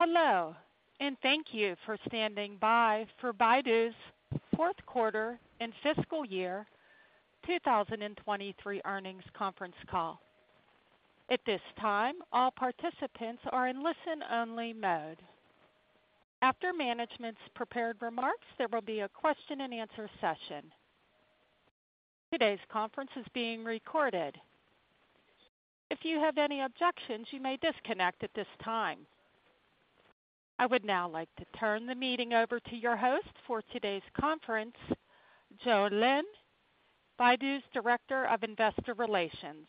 Hello, and thank you for standing by for Baidu's fourth quarter and fiscal year 2023 earnings conference call. At this time, all participants are in listen-only mode. After management's prepared remarks, there will be a question-and-answer session. Today's conference is being recorded. If you have any objections, you may disconnect at this time. I would now like to turn the meeting over to your host for today's conference, Juan Lin, Baidu's Director of Investor Relations.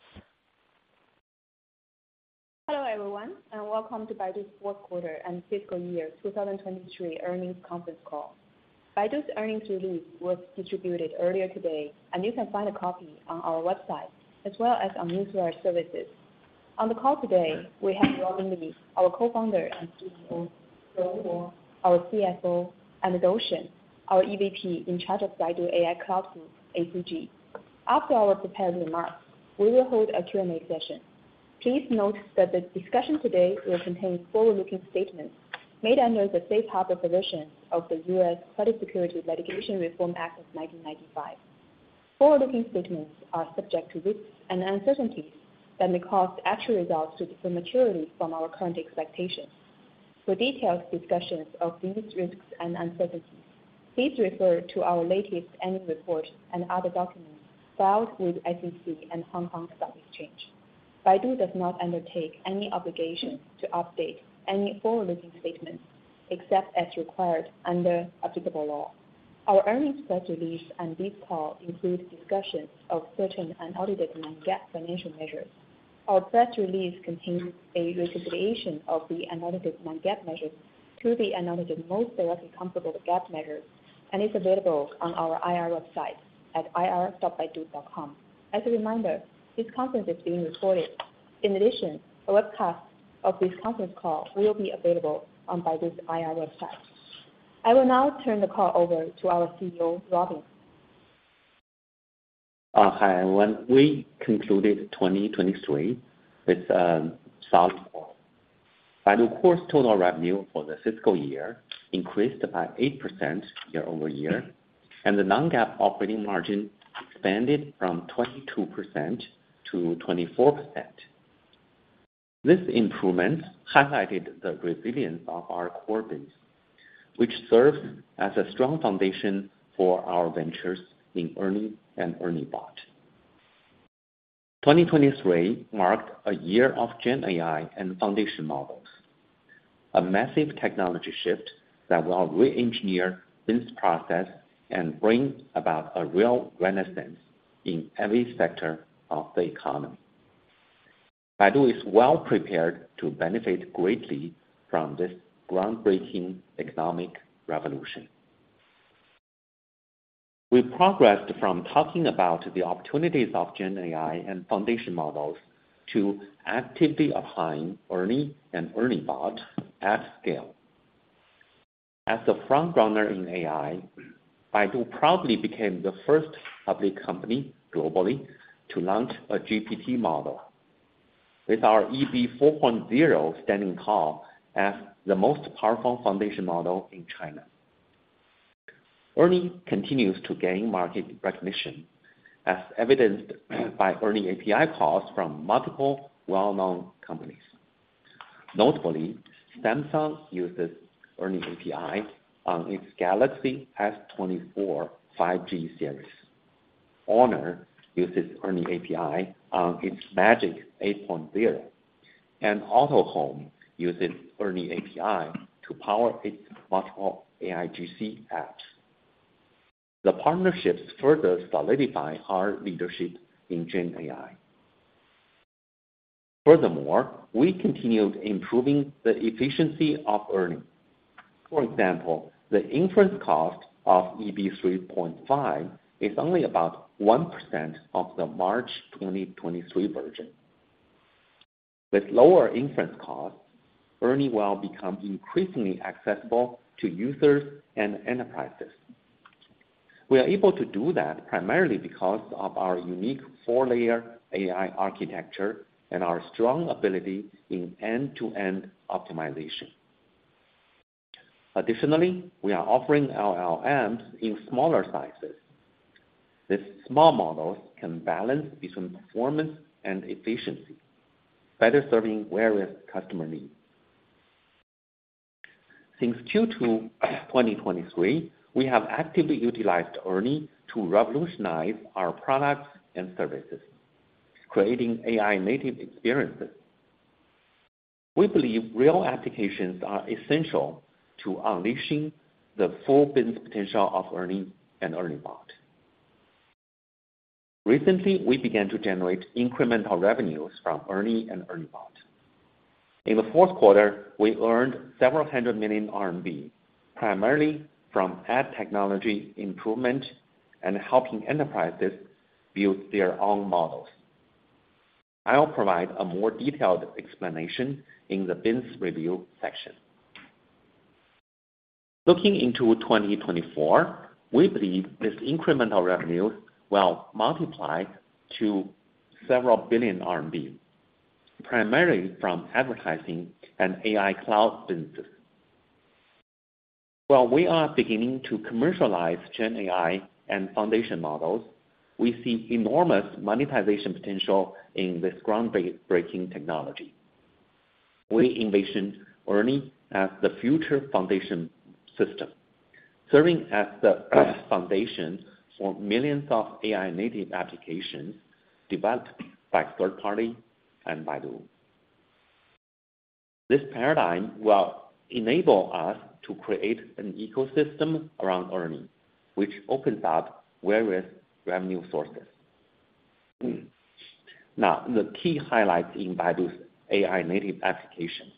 Hello everyone, and welcome to Baidu's fourth quarter and fiscal year 2023 earnings conference call. Baidu's earnings release was distributed earlier today, and you can find a copy on our website as well as on newswire services. On the call today, we have Robin Li, our co-founder and CEO, Rong Luo, our CFO, and Dou Shen, our EVP in charge of Baidu AI Cloud Group, ACG. After our prepared remarks, we will hold a Q&A session. Please note that the discussion today will contain forward-looking statements made under the safe harbor provisions of the U.S. Securities Litigation Reform Act of 1995. Forward-looking statements are subject to risks and uncertainties that may cause actual results to differ materially from our current expectations. For detailed discussions of these risks and uncertainties, please refer to our latest annual report and other documents filed with SEC and Hong Kong Stock Exchange. Baidu does not undertake any obligation to update any forward-looking statements except as required under applicable law. Our earnings press release and this call include discussions of certain unaudited non-GAAP financial measures. Our press release contains a reconciliation of the unaudited non-GAAP measures to the unaudited most directly comparable GAAP measures, and is available on our IR website at ir.baidu.com. As a reminder, this conference is being recorded. In addition, a webcast of this conference call will be available on Baidu's IR website. I will now turn the call over to our CEO, Robin Li. Hi, everyone. We concluded 2023 with a solid score. Baidu Core's total revenue for the fiscal year increased by 8% year-over-year, and the non-GAAP operating margin expanded from 22%-24%. This improvement highlighted the resilience of our core base, which serves as a strong foundation for our ventures in ERNIE and ERNIE Bot. 2023 marked a year of GenAI and foundation models, a massive technology shift that will re-engineer business processes and bring about a real renaissance in every sector of the economy. Baidu is well prepared to benefit greatly from this groundbreaking economic revolution. We progressed from talking about the opportunities of GenAI and foundation models to actively applying ERNIE and ERNIE Bots at scale. As a front-runner in AI, Baidu proudly became the first public company globally to launch a GPT model, with our ERNIE 4.0 standing tall as the most powerful foundation model in China. ERNIE continues to gain market recognition, as evidenced by ERNIE API calls from multiple well-known companies. Notably, Samsung uses ERNIE API on its Galaxy S24 5G series, Honor uses ERNIE API on its MagicOS 8.0, and Autohome uses ERNIE API to power its multiple AIGC apps. The partnerships further solidify our leadership in GenAI. Furthermore, we continued improving the efficiency of ERNIE. For example, the inference cost of ERNIE 3.5 is only about 1% of the March 2023 version. With lower inference costs, ERNIE will become increasingly accessible to users and enterprises. We are able to do that primarily because of our unique four-layer AI architecture and our strong ability in end-to-end optimization. Additionally, we are offering LLMs in smaller sizes. These small models can balance between performance and efficiency, better serving various customer needs. Since Q2 2023, we have actively utilized ERNIE to revolutionize our products and services, creating AI-native experiences. We believe real applications are essential to unleashing the full business potential of ERNIE and ERNIE Bot. Recently, we began to generate incremental revenues from ERNIE and ERNIE Bots. In the fourth quarter, we earned several hundred million CNY, primarily from ad technology improvement and helping enterprises build their own models. I will provide a more detailed explanation in the business review section. Looking into 2024, we believe these incremental revenues will multiply to several billion CNY, primarily from advertising and AI cloud businesses. While we are beginning to commercialize GenAI and foundation models, we see enormous monetization potential in this groundbreaking technology. We envision ERNIE as the future foundation system, serving as the foundation for millions of AI-native applications developed by third parties and Baidu. This paradigm will enable us to create an ecosystem around ERNIE, which opens up various revenue sources. Now, the key highlights in Baidu's AI-native applications.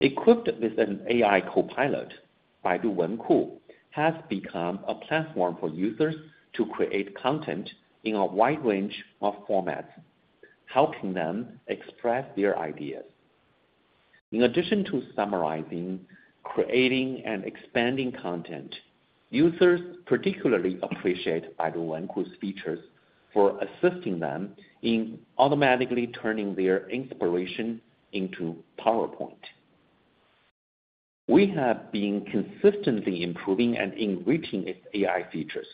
Equipped with an AI copilot, Baidu Wenku has become a platform for users to create content in a wide range of formats, helping them express their ideas. In addition to summarizing, creating, and expanding content, users particularly appreciate Baidu Wenku's features for assisting them in automatically turning their inspiration into PowerPoint. We have been consistently improving and enriching its AI features.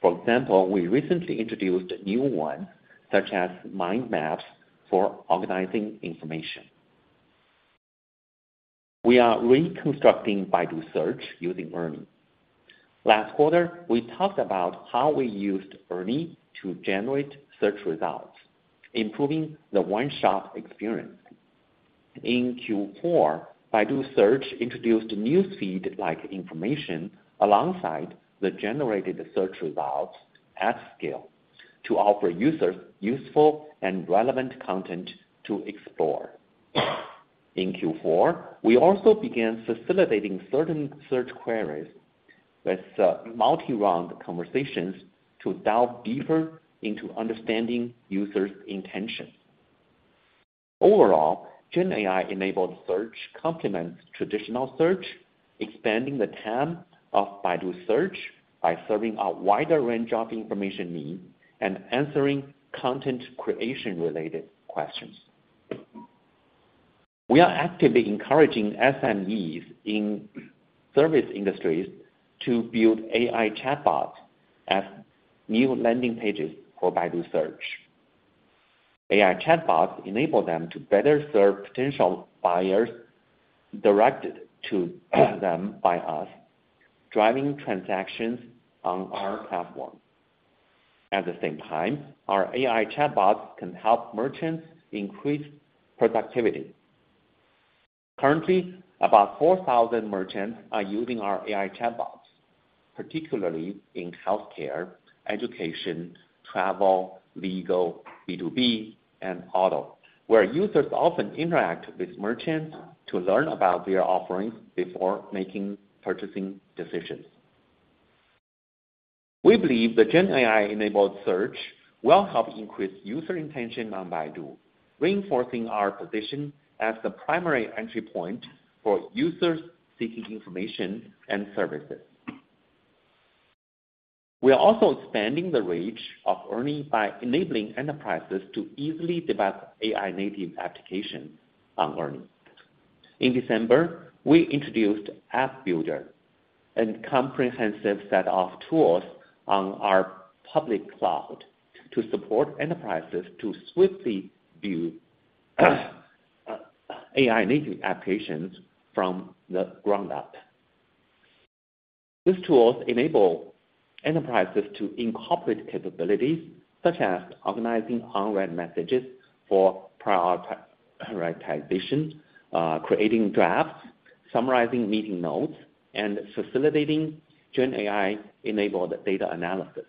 For example, we recently introduced a new one such as mind maps for organizing information. We are reconstructing Baidu Search using ERNIE. Last quarter, we talked about how we used ERNIE to generate search results, improving the one-shot experience. In Q4, Baidu Search introduced a newsfeed-like information alongside the generated search results at scale to offer users useful and relevant content to explore. In Q4, we also began facilitating certain search queries with multi-round conversations to delve deeper into understanding users' intentions. Overall, GenAI-enabled search complements traditional search, expanding the time of Baidu Search by serving a wider range of information needs and answering content creation-related questions. We are actively encouraging SMEs in service industries to build AI chatbots as new landing pages for Baidu Search. AI chatbots enable them to better serve potential buyers directed to them by us, driving transactions on our platform. At the same time, our AI chatbots can help merchants increase productivity. Currently, about 4,000 merchants are using our AI chatbots, particularly in healthcare, education, travel, legal, B2B, and auto, where users often interact with merchants to learn about their offerings before making purchasing decisions. We believe the GenAI-enabled search will help increase user intention on Baidu, reinforcing our position as the primary entry point for users seeking information and services. We are also expanding the range of ERNIE by enabling enterprises to easily develop AI-native applications on earnings. In December, we introduced AppBuilder, a comprehensive set of tools on our public cloud to support enterprises to swiftly build AI-native applications from the ground up. These tools enable enterprises to incorporate capabilities such as organizing unread messages for prioritization, creating drafts, summarizing meeting notes, and facilitating GenAI-enabled data analysis.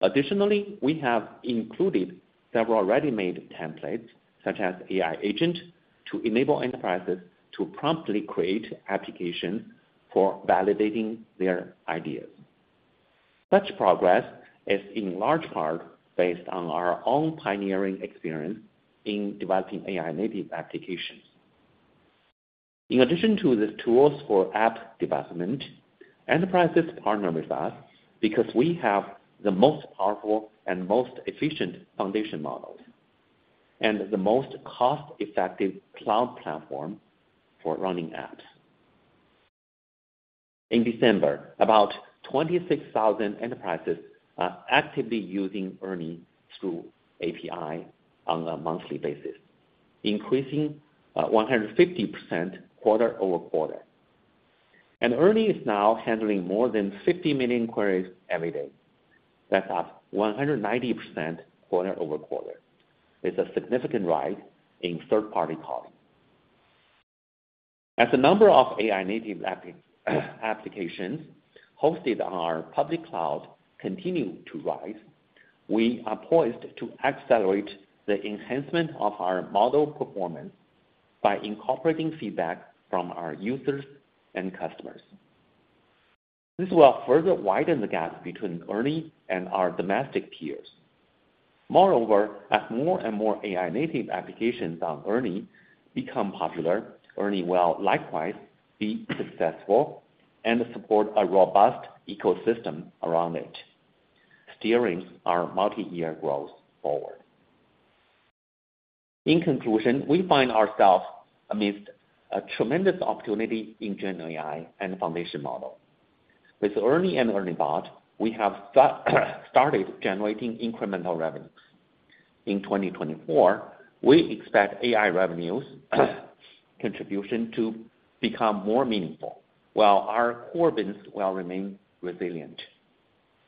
Additionally, we have included several ready-made templates such as AI Agent to enable enterprises to promptly create applications for validating their ideas. Such progress is in large part based on our own pioneering experience in developing AI-native applications. In addition to these tools for app development, enterprises partner with us because we have the most powerful and most efficient foundation models and the most cost-effective cloud platform for running apps. In December, about 26,000 enterprises are actively using ERNIE through API on a monthly basis, increasing 150% quarter-over-quarter. ERNIE is now handling more than 50 million queries every day. That's up 190% quarter-over-quarter. It's a significant rise in third-party calling. As the number of AI-native applications hosted on our public cloud continues to rise, we are poised to accelerate the enhancement of our model performance by incorporating feedback from our users and customers. This will further widen the gap between ERNIE and our domestic peers. Moreover, as more and more AI-native applications on ERNIE become popular, ERNIE will likewise be successful and support a robust ecosystem around it, steering our multi-year growth forward. In conclusion, we find ourselves amidst a tremendous opportunity in GenAI and foundation models. With ERNIE and ERNIE Bot, we have started generating incremental revenues. In 2024, we expect AI revenues' contribution to become more meaningful while our core business will remain resilient.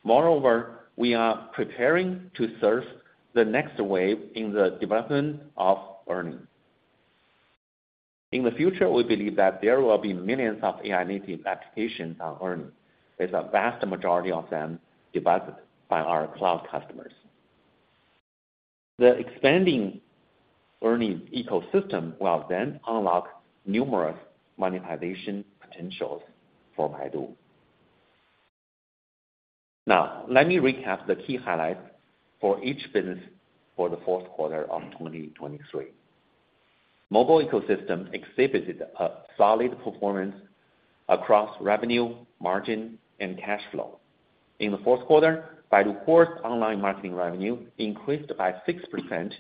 Moreover, we are preparing to serve the next wave in the development of ERNIE. In the future, we believe that there will be millions of AI-native applications on ERNIE, with a vast majority of them developed by our cloud customers. The expanding ERNIE ecosystem will then unlock numerous monetization potentials for Baidu. Now, let me recap the key highlights for each business for the fourth quarter of 2023. Mobile ecosystem exhibited a solid performance across revenue, margin, and cash flow. In the fourth quarter, Baidu Core's online marketing revenue increased by 6%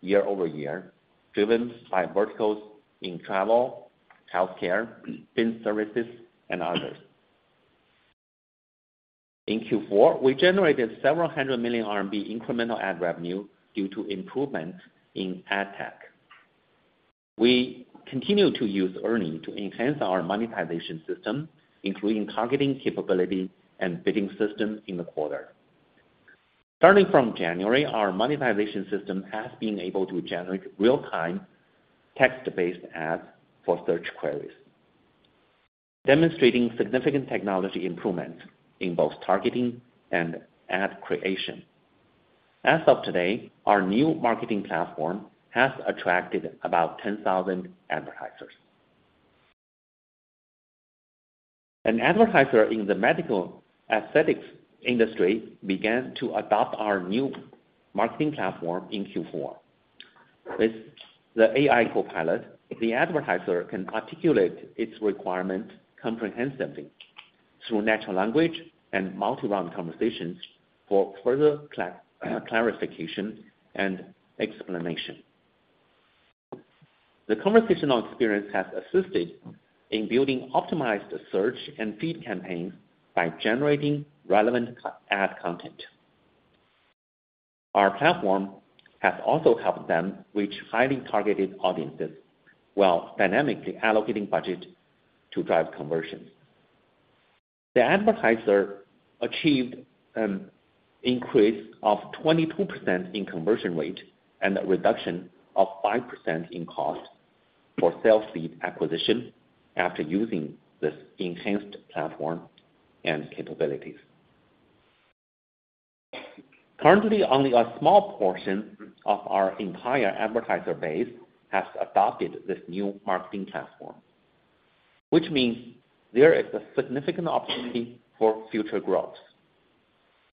year-over-year, driven by verticals in travel, healthcare, business services, and others. In Q4, we generated several hundred million CNY incremental ad revenue due to improvements in ad tech. We continue to use earnings to enhance our monetization system, including targeting capability and bidding systems in the quarter. Starting from January, our monetization system has been able to generate real-time text-based ads for search queries, demonstrating significant technology improvements in both targeting and ad creation. As of today, our new marketing platform has attracted about 10,000 advertisers. An advertiser in the medical aesthetics industry began to adopt our new marketing platform in Q4. With the AI copilot, the advertiser can articulate its requirements comprehensively through natural language and multi-round conversations for further clarification and explanation. The conversational experience has assisted in building optimized search and feed campaigns by generating relevant ad content. Our platform has also helped them reach highly targeted audiences while dynamically allocating budget to drive conversions. The advertiser achieved an increase of 22% in conversion rate and a reduction of 5% in cost for sales lead acquisition after using this enhanced platform and capabilities. Currently, only a small portion of our entire advertiser base has adopted this new marketing platform, which means there is a significant opportunity for future growth.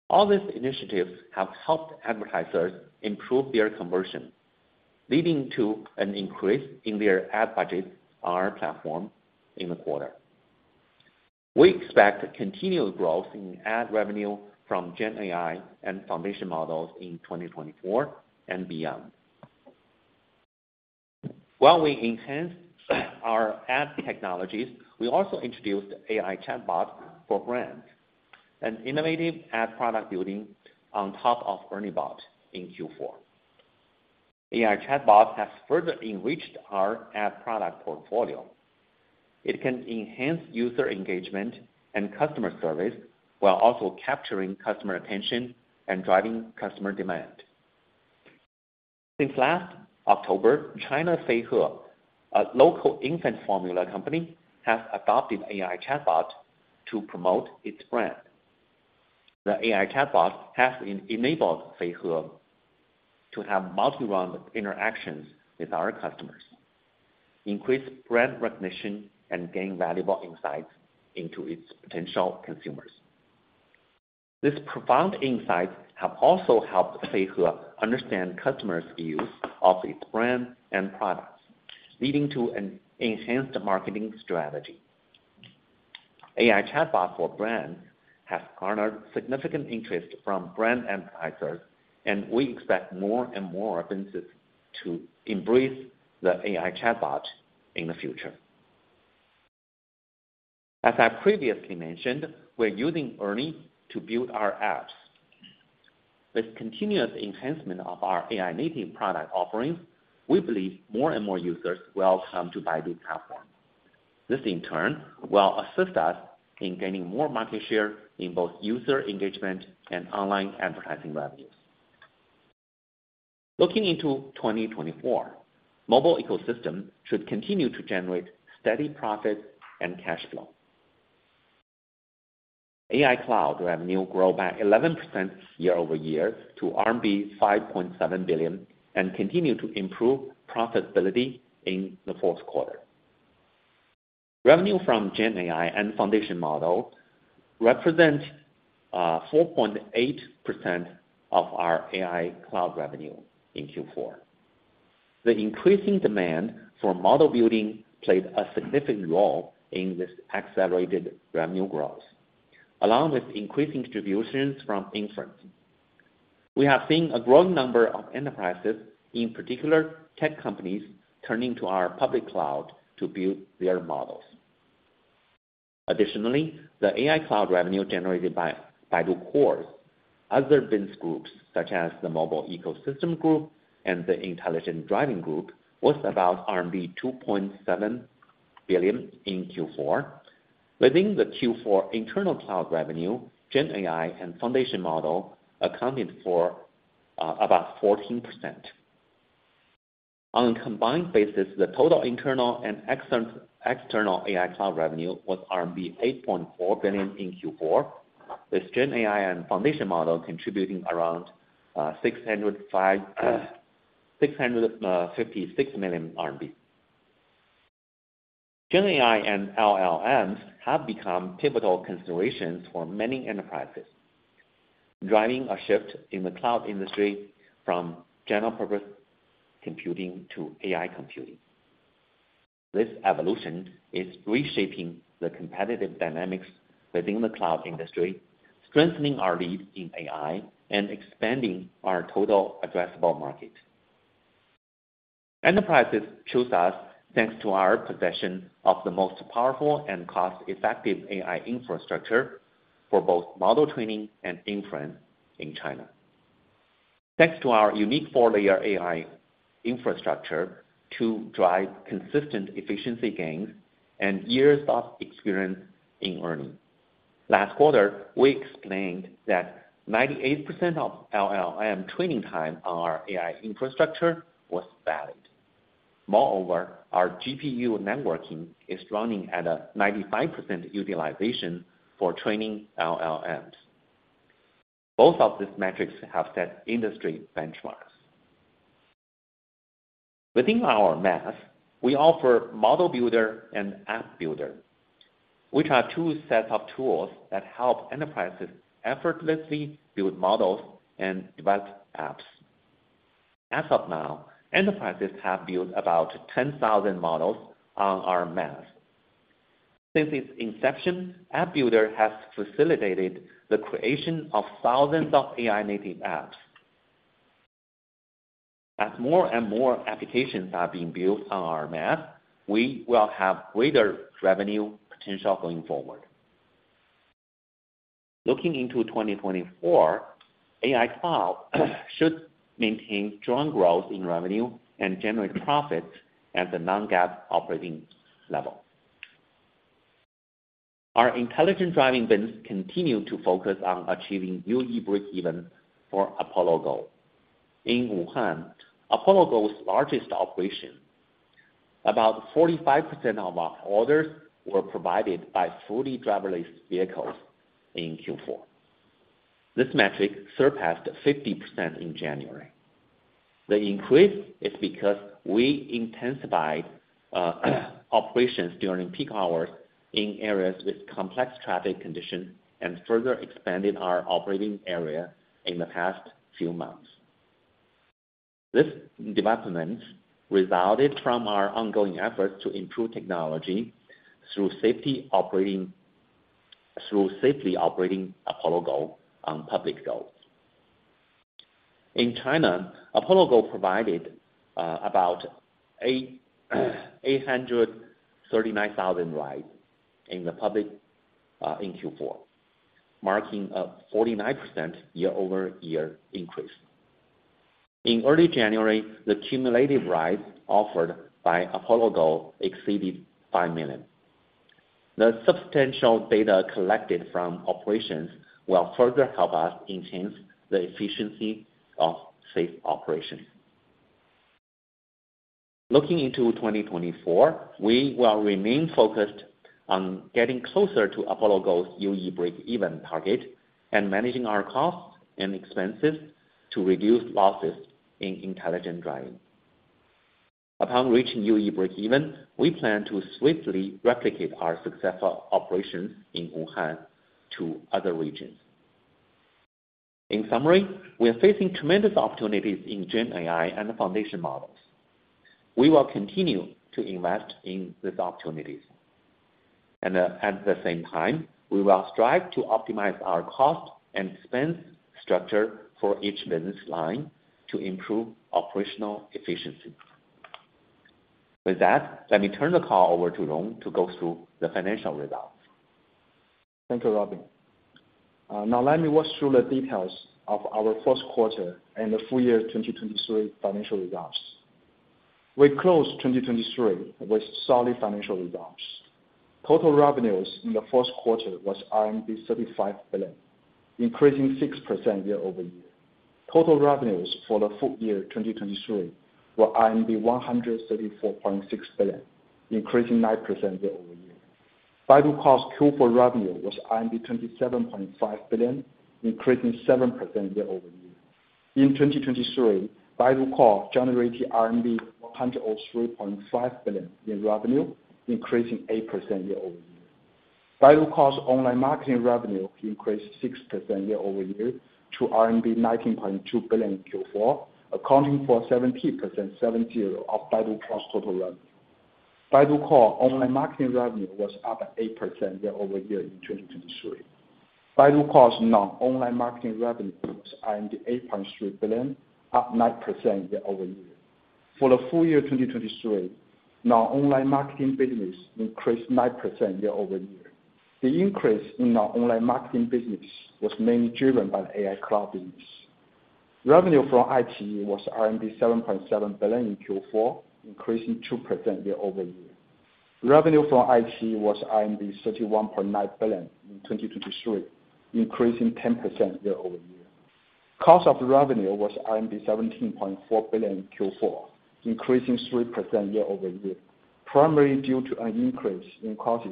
All these initiatives have helped advertisers improve their conversion, leading to an increase in their ad budgets on our platform in the quarter. We expect continued growth in ad revenue from GenAI and foundation models in 2024 and beyond. While we enhanced our ad technologies, we also introduced AI chatbots for brands, an innovative ad product building on top of ERNIE bots in Q4. AI chatbots have further enriched our ad product portfolio. It can enhance user engagement and customer service while also capturing customer attention and driving customer demand. Since last October, China's Feihe, a local infant formula company, has adopted AI chatbots to promote its brand. The AI chatbots have enabled Feihe to have multi-round interactions with our customers, increase brand recognition, and gain valuable insights into its potential consumers. These profound insights have also helped Feihe understand customers' views of its brand and products, leading to an enhanced marketing strategy. AI chatbots for brands have garnered significant interest from brand advertisers, and we expect more and more businesses to embrace the AI chatbot in the future. As I previously mentioned, we're using earnings to build our apps. With continuous enhancement of our AI-native product offerings, we believe more and more users will come to Baidu's platform. This, in turn, will assist us in gaining more market share in both user engagement and online advertising revenues. Looking into 2024, mobile ecosystem should continue to generate steady profits and cash flow. AI Cloud revenue grew by 11% year-over-year to RMB 5.7 billion and continued to improve profitability in the fourth quarter. Revenue from GenAI and foundation models represents 4.8% of our AI Cloud revenue in Q4. The increasing demand for model building played a significant role in this accelerated revenue growth, along with increasing contributions from inference. We have seen a growing number of enterprises, in particular tech companies, turning to our public cloud to build their models. Additionally, the AI cloud revenue generated by Baidu Core's, other business groups such as the Mobile Ecosystem Group and the Intelligent Driving Group, was about RMB 2.7 billion in Q4. Within the Q4 internal cloud revenue, GenAI and foundation models accounted for about 14%. On a combined basis, the total internal and external AI cloud revenue was RMB 8.4 billion in Q4, with GenAI and foundation models contributing around 656 million RMB. GenAI and LLMs have become pivotal considerations for many enterprises, driving a shift in the cloud industry from general-purpose computing to AI computing. This evolution is reshaping the competitive dynamics within the cloud industry, strengthening our lead in AI, and expanding our total addressable market. Enterprises choose us thanks to our possession of the most powerful and cost-effective AI infrastructure for both model training and inference in China, thanks to our unique four-layer AI infrastructure to drive consistent efficiency gains and years of experience in earnings. Last quarter, we explained that 98% of LLM training time on our AI infrastructure was valid. Moreover, our GPU networking is running at a 95% utilization for training LLMs. Both of these metrics have set industry benchmarks. Within our MaaS, we offer ModelBuilder and AppBuilder, which are two sets of tools that help enterprises effortlessly build models and develop apps. As of now, enterprises have built about 10,000 models on our MaaS. Since its inception, AppBuilder has facilitated the creation of thousands of AI-native apps. As more and more applications are being built on our MaaS, we will have greater revenue potential going forward. Looking into 2024, AI Cloud should maintain strong growth in revenue and generate profits at the non-GAAP operating level. Our Intelligent Driving business continues to focus on achieving UE break-even for Apollo Go. In Wuhan, Apollo Go's largest operation, about 45% of our orders were provided by fully driverless vehicles in Q4. This metric surpassed 50% in January. The increase is because we intensified operations during peak hours in areas with complex traffic conditions and further expanded our operating area in the past few months. This development resulted from our ongoing efforts to improve technology through safely operating Apollo Go on public roads. In China, Apollo Go provided about 839,000 rides in Q4, marking a 49% year-over-year increase. In early January, the cumulative rides offered by Apollo Go exceeded five million. The substantial data collected from operations will further help us enhance the efficiency of safe operations. Looking into 2024, we will remain focused on getting closer to Apollo Go's UE break-even target and managing our costs and expenses to reduce losses in intelligent driving. Upon reaching UE break-even, we plan to swiftly replicate our successful operations in Wuhan to other regions. In summary, we are facing tremendous opportunities in GenAI and foundation models. We will continue to invest in these opportunities. At the same time, we will strive to optimize our cost and expense structure for each business line to improve operational efficiency. With that, let me turn the call over to Rong to go through the financial results. Thank you, Robin. Now, let me walk through the details of our fourth quarter and the full year 2023 financial results. We closed 2023 with solid financial results. Total revenues in the fourth quarter was RMB 35 billion, increasing 6% year-over-year. Total revenues for the full year 2023 were 134.6 billion, increasing 9% year-over-year. Baidu Core's Q4 revenue was 27.5 billion, increasing 7% year-over-year. In 2023, Baidu Core generated RMB 103.5 billion in revenue, increasing 8% year-over-year. Baidu Core's online marketing revenue increased 6% year-over-year to RMB 19.2 billion in Q4, accounting for 70% of Baidu Core's total revenue. Baidu Core online marketing revenue was up 8% year-over-year in 2023. Baidu Core's non-online marketing revenue was RMB 8.3 billion, up 9% year-over-year. For the full year 2023, non-online marketing business increased 9% year-over-year. The increase in non-online marketing business was mainly driven by the AI cloud business. Revenue from iQIYI was RMB 7.7 billion in Q4, increasing 2% year-over-year. Revenue from iQIYI was 31.9 billion in 2023, increasing 10% year-over-year. Cost of revenue was RMB 17.4 billion in Q4, increasing 3% year-over-year, primarily due to an increase in costs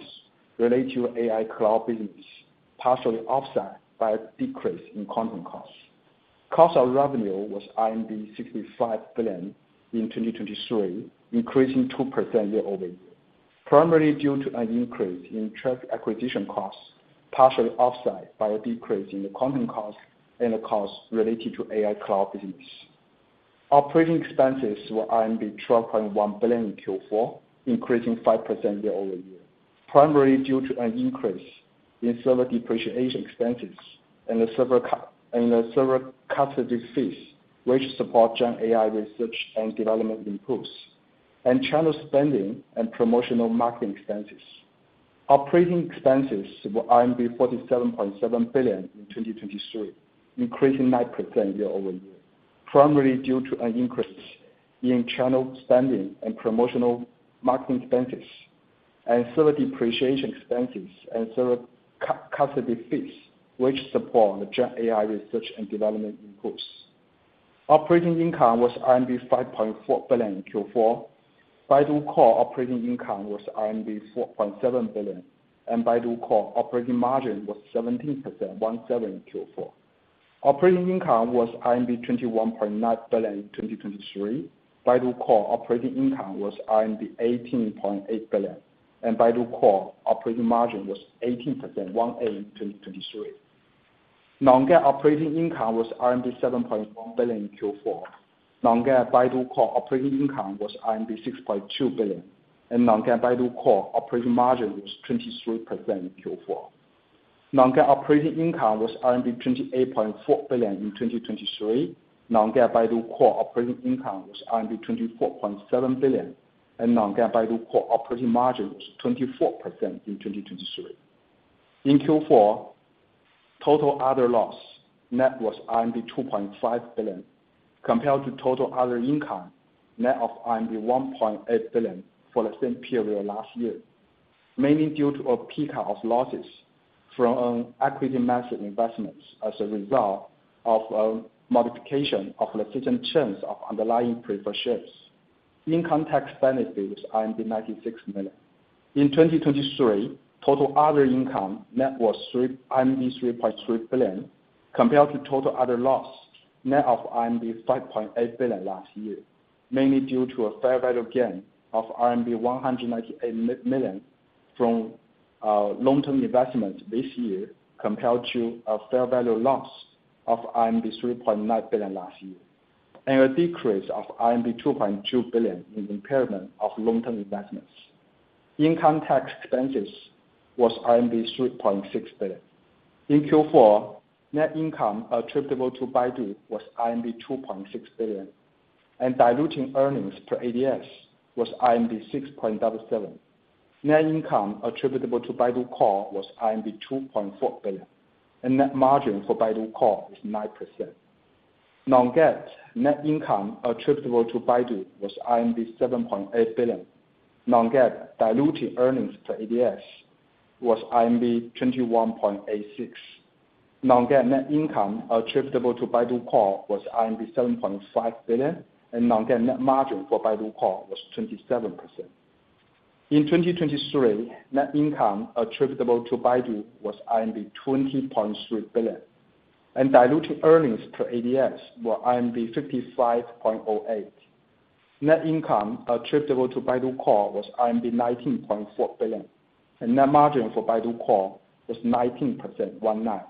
related to AI cloud business, partially offset by a decrease in content costs. Cost of revenue was 65 billion in 2023, increasing 2% year-over-year, primarily due to an increase in traffic acquisition costs, partially offset by a decrease in the content costs and the costs related to AI cloud business. Operating expenses were 12.1 billion in Q4, increasing 5% year-over-year, primarily due to an increase in server depreciation expenses and the server custody fees, which support GenAI research and development improvements, and channel spending and promotional marketing expenses. Operating expenses were 47.7 billion in 2023, increasing 9% year-over-year, primarily due to an increase in channel spending and promotional marketing expenses and server depreciation expenses and server custody fees, which support the GenAI research and development improvements. Operating income was RMB 5.4 billion in Q4. Baidu Core operating income was RMB 4.7 billion, and Baidu Core operating margin was 17%. 17% in Q4. Operating income was RMB 21.9 billion in 2023. Baidu Core operating income was RMB 18.8 billion, and Baidu Core operating margin was 18%. 18% in 2023. Non-GAAP operating income was RMB 7.1 billion in Q4. Non-GAAP Baidu Core operating income was RMB 6.2 billion, and Non-GAAP Baidu Core operating margin was 23% in Q4. Non-GAAP operating income was 28.4 billion in 2023. Non-GAAP Baidu Core operating income was 24.7 billion, and Non-GAAP Baidu Core operating margin was 24% in 2023. In Q4, total other loss net was 2.5 billion compared to total other income net of 1.8 billion for the same period last year, mainly due to a peak of losses from equity method investments as a result of modification of the system change of underlying preferred shares. Income tax benefit was 96 million. In 2023, total other income net was 3.3 billion compared to total other loss net of 5.8 billion last year, mainly due to a fair value gain of RMB 198 million from long-term investments this year compared to a fair value loss of 3.9 billion last year and a decrease of 2.2 billion in impairment of long-term investments. Income tax expenses was RMB 3.6 billion. In Q4, net income attributable to Baidu was RMB 2.6 billion, and diluted earnings per ADS was RMB 6.77. Net income attributable to Baidu Core was RMB 2.4 billion, and net margin for Baidu Core is 9%. Non-GAAP net income attributable to Baidu was 7.8 billion. Non-GAAP diluted earnings per ADS was 21.86. Non-GAAP net income attributable to Baidu Core was 7.5 billion, and Non-GAAP net margin for Baidu Core was 27%. In 2023, net income attributable to Baidu was 20.3 billion, and diluted earnings per ADS were 55.08. Net income attributable to Baidu Core was 19.4 billion, and net margin for Baidu Core was 19%.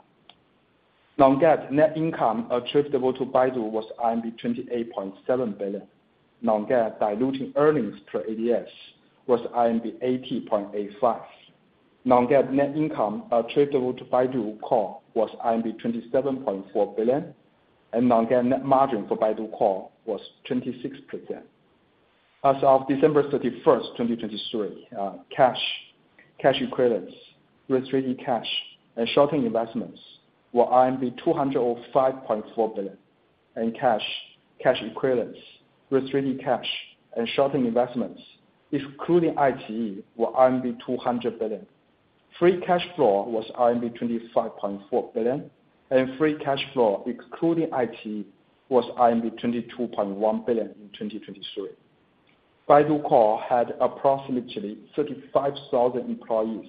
Non-GAAP net income attributable to Baidu was 28.7 billion. Non-GAAP diluted earnings per ADS was 80.85. Non-GAAP net income attributable to Baidu Core was 27.4 billion, and Non-GAAP net margin for Baidu Core was 26%. As of December 31st, 2023, cash equivalents, restricted cash, and short-term investments were RMB 205.4 billion, and cash equivalents, restricted cash, and short-term investments, excluding iQIYI, were RMB 200 billion. Free cash flow was RMB 25.4 billion, and free cash flow excluding iQIYI was RMB 22.1 billion in 2023. Baidu Core had approximately 35,000 employees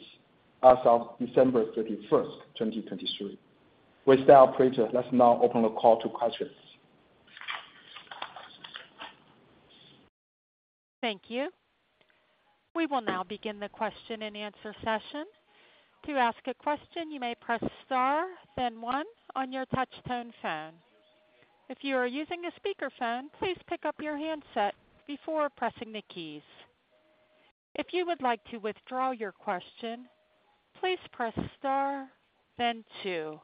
as of December 31st, 2023. With that, operator, let's now open the call to questions. Thank you. We will now begin the question-and-answer session. To ask a question, you may press star, then one on your touch-tone phone. If you are using a speakerphone, please pick up your handset before pressing the keys. If you would like to withdraw your question, please press star, then two.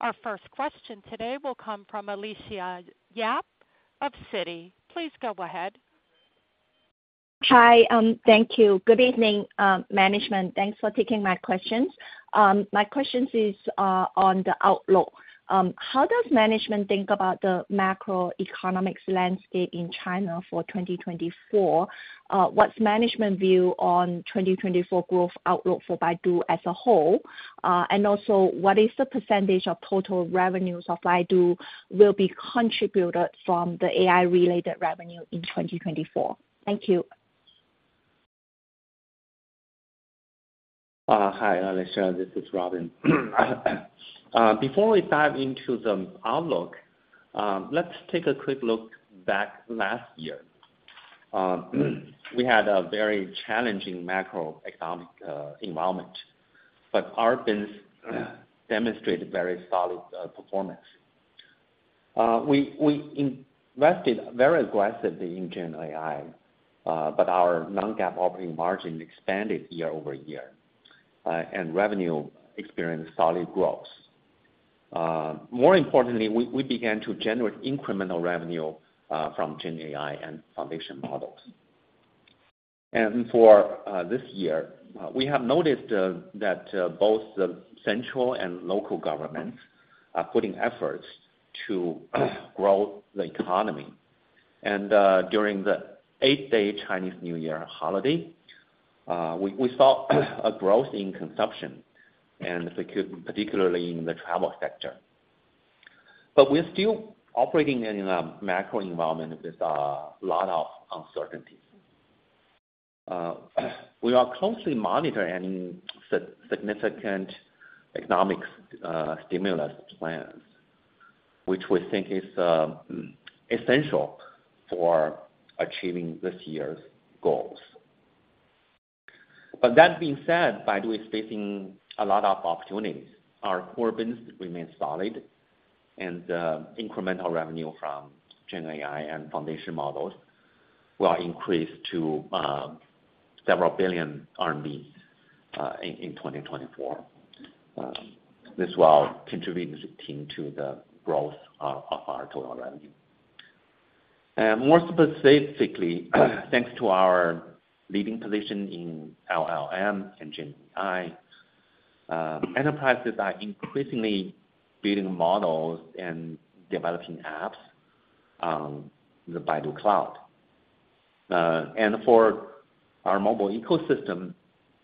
Our first question today will come from Alicia Yap of Citi. Please go ahead. Hi. Thank you. Good evening, management. Thanks for taking my questions. My question is on the outlook. How does management think about the macroeconomic landscape in China for 2024? What's management's view on 2024 growth outlook for Baidu as a whole? And also, what is the percentage of total revenues of Baidu will be contributed from the AI-related revenue in 2024? Thank you. Hi, Alicia. This is Robin. Before we dive into the outlook, let's take a quick look back last year. We had a very challenging macroeconomic environment, but our business demonstrated very solid performance. We invested very aggressively in GenAI, but our non-GAAP operating margin expanded year-over-year, and revenue experienced solid growth. More importantly, we began to generate incremental revenue from GenAI and foundation models. For this year, we have noticed that both the central and local governments are putting efforts to grow the economy. During the eight-day Chinese New Year holiday, we saw a growth in consumption, particularly in the travel sector. But we're still operating in a macro environment with a lot of uncertainties. We are closely monitoring any significant economic stimulus plans, which we think is essential for achieving this year's goals. But that being said, Baidu is facing a lot of opportunities. Our core business remains solid, and incremental revenue from GenAI and foundation models will increase to several billion CNY in 2024. This will contribute to the growth of our total revenue. More specifically, thanks to our leading position in LLM and GenAI, enterprises are increasingly building models and developing apps on the Baidu cloud. For our mobile ecosystem,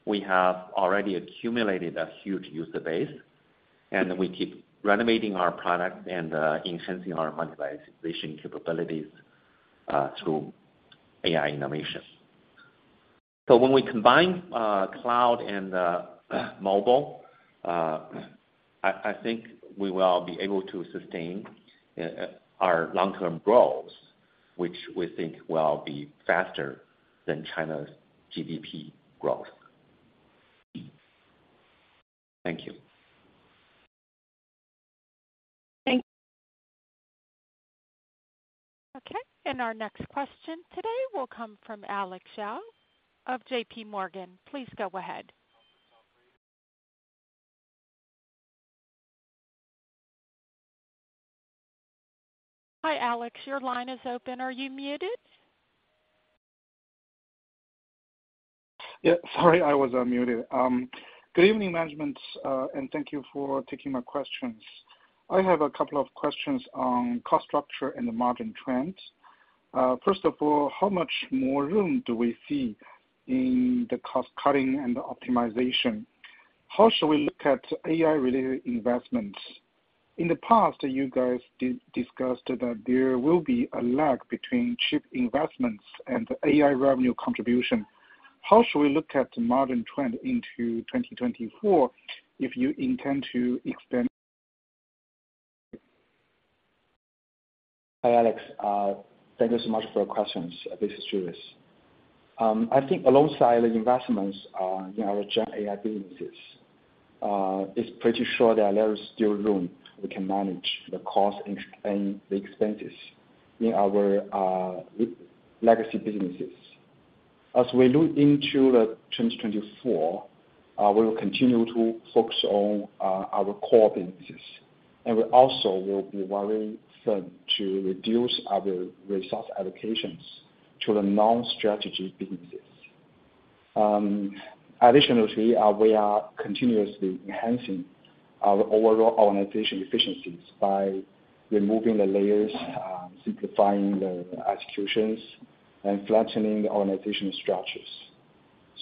we have already accumulated a huge user base, and we keep renovating our products and enhancing our monetization capabilities through AI innovation. When we combine cloud and mobile, I think we will be able to sustain our long-term growth, which we think will be faster than China's GDP growth. Thank you. Thank you. Okay. And our next question today will come from Alex Yao of JPMorgan. Please go ahead. Hi, Alex. Your line is open. Are you muted? Yeah. Sorry, I was unmuted. Good evening, management, and thank you for taking my questions. I have a couple of questions on cost structure and the margin trends. First of all, how much more room do we see in the cost-cutting and the optimization? How should we look at AI-related investments? In the past, you guys discussed that there will be a lag between chip investments and the AI revenue contribution. How should we look at the margin trend into 2024 if you intend to expand? Hi, Alex. Thank you so much for your questions. This is Julius. I think alongside the investments in our GenAI businesses, it's pretty sure that there is still room. We can manage the cost and the expenses in our legacy businesses. As we look into 2024, we will continue to focus on our core businesses, and we also will be very firm to reduce our resource allocations to the non-strategy businesses. Additionally, we are continuously enhancing our overall organization efficiencies by removing the layers, simplifying the executions, and flattening the organizational structures.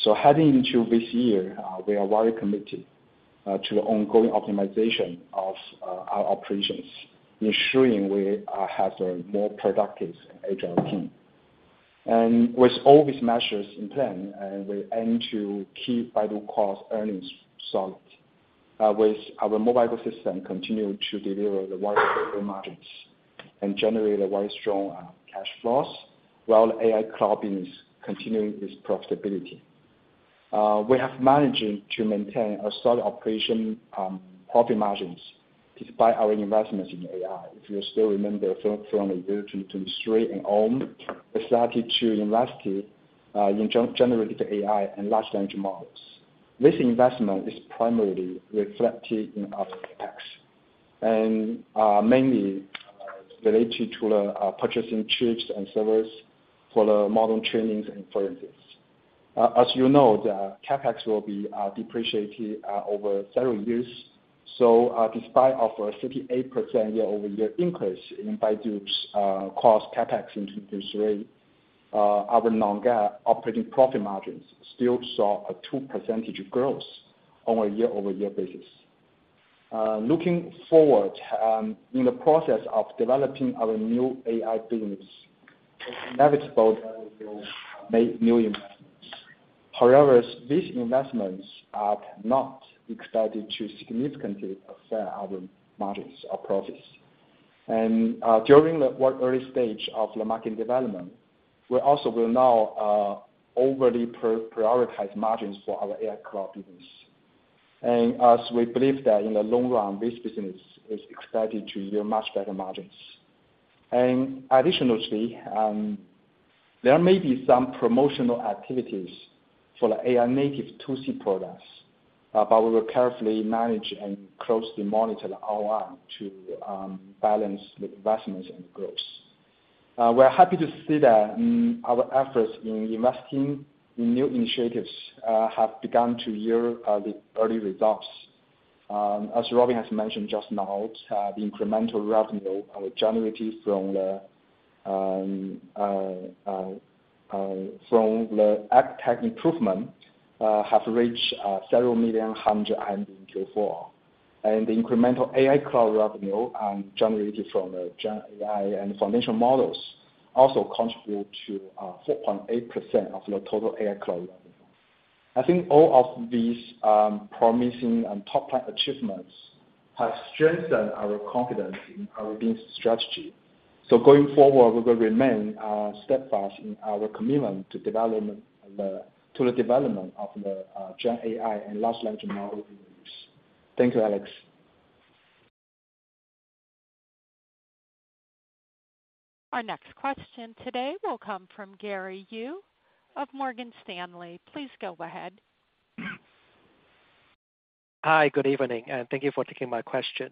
So heading into this year, we are very committed to the ongoing optimization of our operations, ensuring we have a more productive HR team. And with all these measures in plan, we aim to keep Baidu Core's earnings solid. With our mobile ecosystem, continue to deliver the very strong earning margins and generate the very strong cash flows while the AI cloud business continues its profitability. We have managed to maintain a solid operating profit margins despite our investments in AI. If you still remember from the year 2023 and on, we started to invest in generative AI and large language models. This investment is primarily reflected in our CapEx, and mainly related to purchasing chips and servers for the model trainings and inferences. As you know, the CapEx will be depreciated over several years. So despite our 58% year-over-year increase in Baidu's core CapEx in 2023, our non-GAAP operating profit margins still saw a 2% growth on a year-over-year basis. Looking forward, in the process of developing our new AI business, it's inevitable that we will make new investments. However, these investments are not expected to significantly affect our margins or profits. During the early stage of the market development, we also will not overly prioritize margins for our AI cloud business. As we believe that in the long run, this business is expected to yield much better margins. Additionally, there may be some promotional activities for the AI-native 2C products, but we will carefully manage and closely monitor the ROI to balance the investments and the growth. We are happy to see that our efforts in investing in new initiatives have begun to yield early results. As Robin has mentioned just now, the incremental revenue generated from the ad tech improvement has reached several hundred million CNY in Q4. The incremental AI cloud revenue generated from the GenAI and foundation models also contributes to 4.8% of the total AI cloud revenue. I think all of these promising and top-class achievements have strengthened our confidence in our business strategy. Going forward, we will remain steadfast in our commitment to the development of the GenAI and large language model business. Thank you, Alex. Our next question today will come from Gary Yu of Morgan Stanley. Please go ahead. Hi. Good evening, and thank you for taking my question.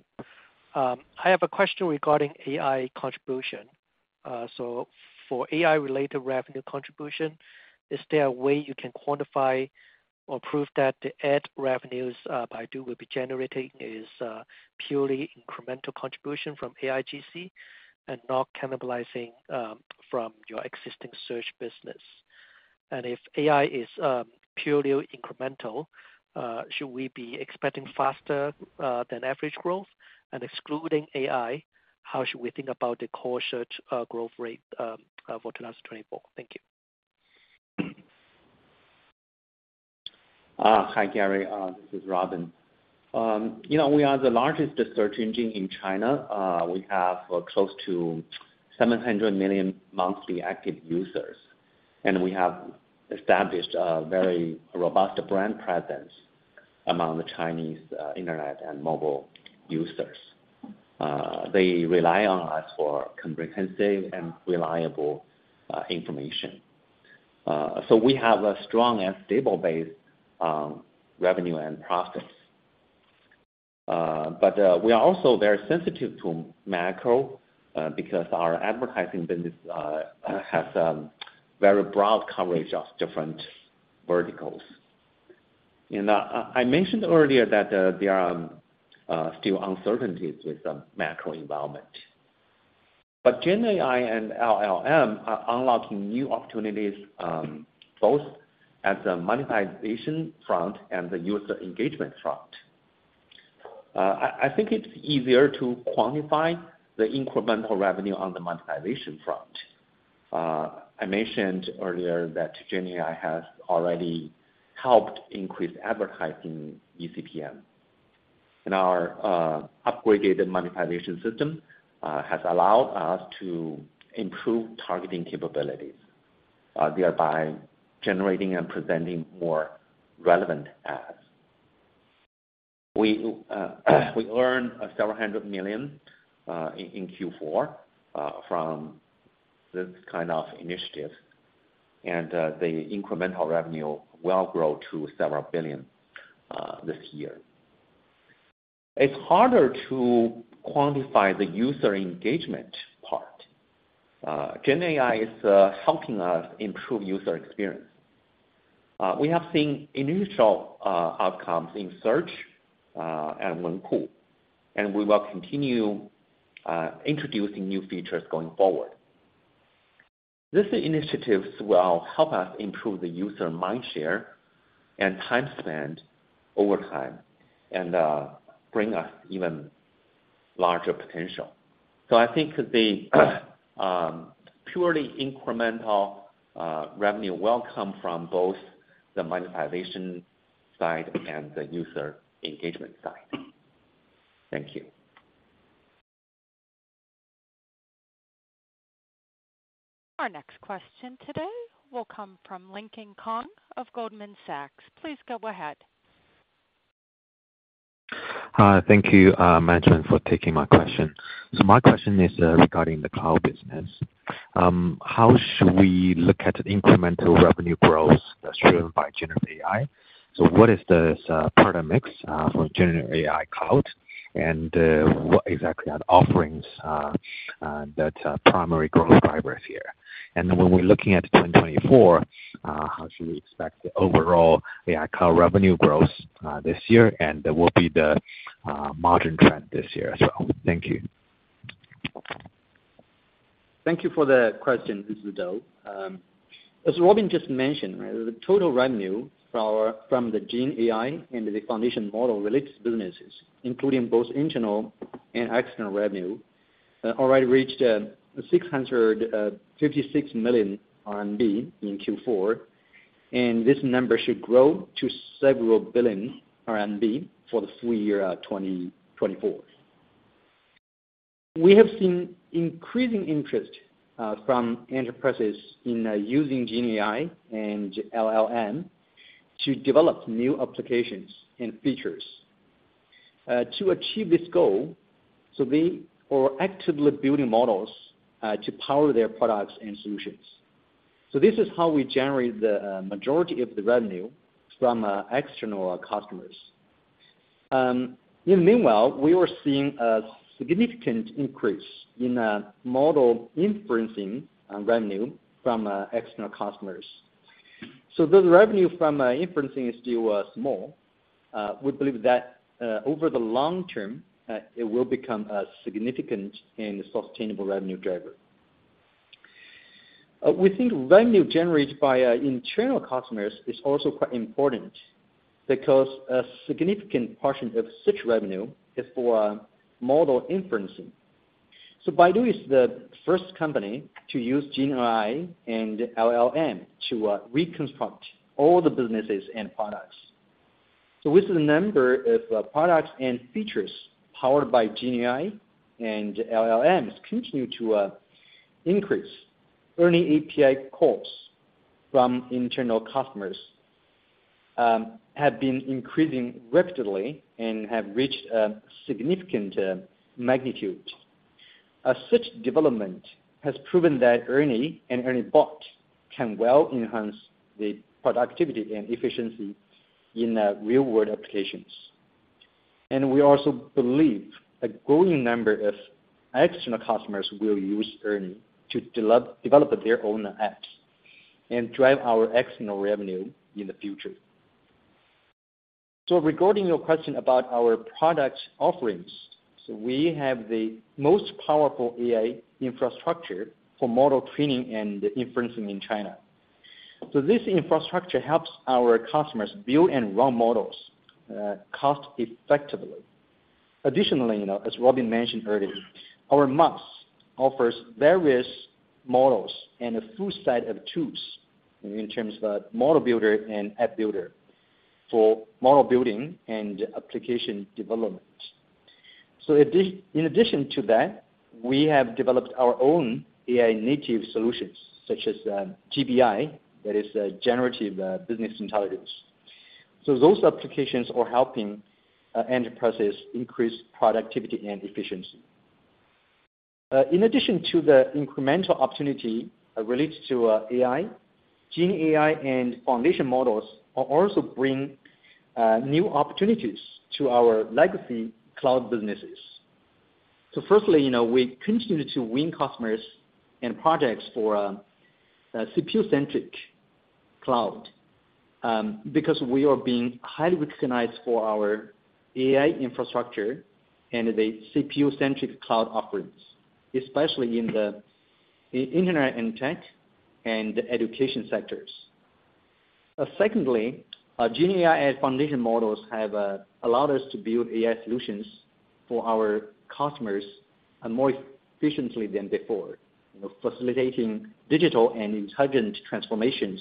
I have a question regarding AI contribution. So for AI-related revenue contribution, is there a way you can quantify or prove that the added revenues Baidu will be generating is purely incremental contribution from AIGC and not cannibalizing from your existing search business? And if AI is purely incremental, should we be expecting faster-than-average growth? And excluding AI, how should we think about the core search growth rate for 2024? Thank you. Hi, Gary. This is Robin. We are the largest search engine in China. We have close to 700 million monthly active users, and we have established a very robust brand presence among the Chinese internet and mobile users. They rely on us for comprehensive and reliable information. So we have a strong and stable base on revenue and profits. But we are also very sensitive to macro because our advertising business has very broad coverage of different verticals. And I mentioned earlier that there are still uncertainties with macro environment. But GenAI and LLM are unlocking new opportunities both at the monetization front and the user engagement front. I think it's easier to quantify the incremental revenue on the monetization front. I mentioned earlier that GenAI has already helped increase advertising ECPM. Our upgraded monetization system has allowed us to improve targeting capabilities, thereby generating and presenting more relevant ads. We earned CNY several hundred million in Q4 from this kind of initiative, and the incremental revenue will grow to CNY several billion this year. It's harder to quantify the user engagement part. GenAI is helping us improve user experience. We have seen initial outcomes in search and Wenku, and we will continue introducing new features going forward. These initiatives will help us improve the user mindshare and time spent over time and bring us even larger potential. So I think the purely incremental revenue will come from both the monetization side and the user engagement side. Thank you. Our next question today will come from Lincoln Kong of Goldman Sachs. Please go ahead. Thank you, management, for taking my question. So my question is regarding the cloud business. How should we look at incremental revenue growth that's driven by generative AI? So what is the paradigm mix for generative AI cloud, and what exactly are the offerings that are primary growth drivers here? And then when we're looking at 2024, how should we expect the overall AI cloud revenue growth this year? And what will be the margin trend this year as well? Thank you. Thank you for the question. This is Dou. As Robin just mentioned, the total revenue from the GenAI and the foundation model-related businesses, including both internal and external revenue, already reached 656 million RMB in Q4. This number should grow to several billion CNY for the full year 2024. We have seen increasing interest from enterprises in using GenAI and LLM to develop new applications and features. To achieve this goal, so they are actively building models to power their products and solutions. So this is how we generate the majority of the revenue from external customers. In the meanwhile, we are seeing a significant increase in model inferencing revenue from external customers. So though the revenue from inferencing is still small, we believe that over the long term, it will become a significant and sustainable revenue driver. We think revenue generated by internal customers is also quite important because a significant portion of search revenue is for model inferencing. Baidu is the first company to use GenAI and LLM to reconstruct all the businesses and products. With the number of products and features powered by GenAI and LLMs continue to increase, ERNIE API calls from internal customers have been increasing rapidly and have reached a significant magnitude. Such development has proven that ERNIE and ERNIE Bot can well enhance the productivity and efficiency in real-world applications. We also believe a growing number of external customers will use ERNIE to develop their own apps and drive our external revenue in the future. Regarding your question about our product offerings, so we have the most powerful AI infrastructure for model training and inferencing in China. So this infrastructure helps our customers build and run models cost-effectively. Additionally, as Robin mentioned earlier, our MaaS offers various models and a full set of tools in terms of ModelBuilder and AppBuilder for model building and application development. So in addition to that, we have developed our own AI-native solutions such as GBI, that is, Generative Business Intelligence. So those applications are helping enterprises increase productivity and efficiency. In addition to the incremental opportunity related to AI, GenAI and foundation models also bring new opportunities to our legacy cloud businesses. So firstly, we continue to win customers and projects for a CPU-centric cloud because we are being highly recognized for our AI infrastructure and the CPU-centric cloud offerings, especially in the internet and tech and education sectors. Secondly, GenAI and foundation models have allowed us to build AI solutions for our customers more efficiently than before, facilitating digital and intelligent transformations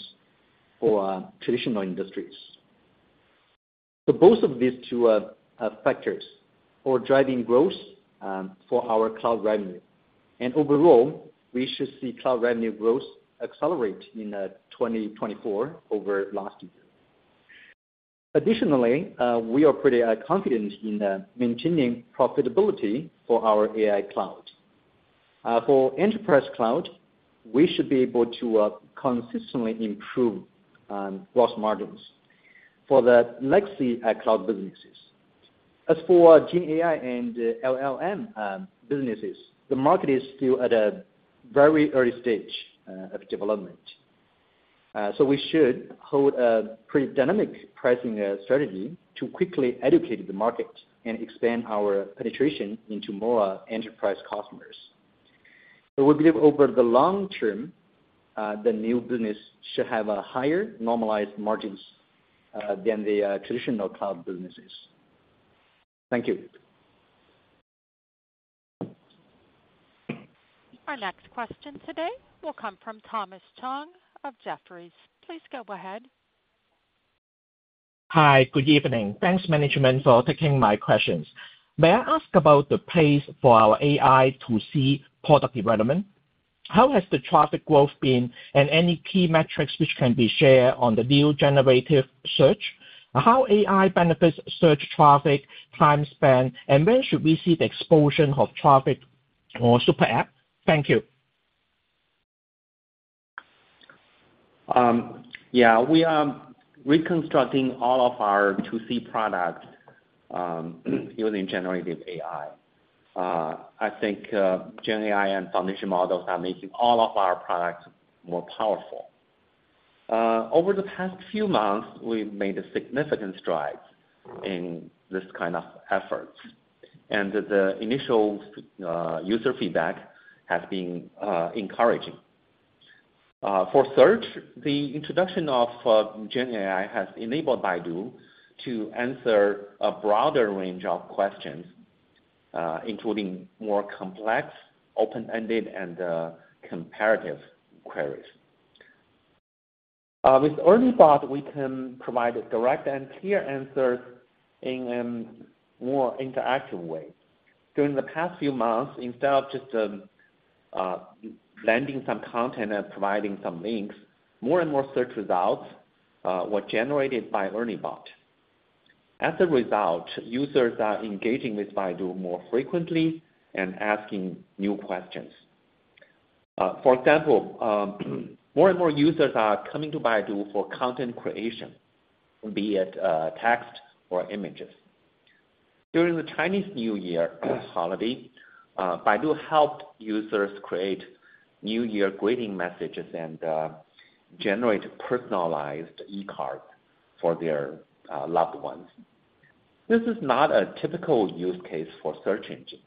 for traditional industries. Both of these two factors are driving growth for our cloud revenue. Overall, we should see cloud revenue growth accelerate in 2024 over last year. Additionally, we are pretty confident in maintaining profitability for our AI cloud. For enterprise cloud, we should be able to consistently improve gross margins for the legacy cloud businesses. As for GenAI and LLM businesses, the market is still at a very early stage of development. We should hold a pretty dynamic pricing strategy to quickly educate the market and expand our penetration into more enterprise customers. But we believe over the long term, the new business should have higher normalized margins than the traditional cloud businesses. Thank you. Our next question today will come from Thomas Chong of Jefferies. Please go ahead. Hi. Good evening. Thanks, management, for taking my questions. May I ask about the pace for our AI 2C product development? How has the traffic growth been, and any key metrics which can be shared on the new generative search? How AI benefits search traffic, time spend, and when should we see the explosion of traffic or super app? Thank you. Yeah. We are reconstructing all of our 2C products using generative AI. I think GenAI and foundation models are making all of our products more powerful. Over the past few months, we made significant strides in this kind of efforts, and the initial user feedback has been encouraging. For search, the introduction of GenAI has enabled Baidu to answer a broader range of questions, including more complex, open-ended, and comparative queries. With ERNIE Bot, we can provide direct and clear answers in a more interactive way. During the past few months, instead of just landing some content and providing some links, more and more search results were generated by ERNIE Bot. As a result, users are engaging with Baidu more frequently and asking new questions. For example, more and more users are coming to Baidu for content creation, be it text or images. During the Chinese New Year holiday, Baidu helped users create New Year greeting messages and generate personalized e-cards for their loved ones. This is not a typical use case for search engines,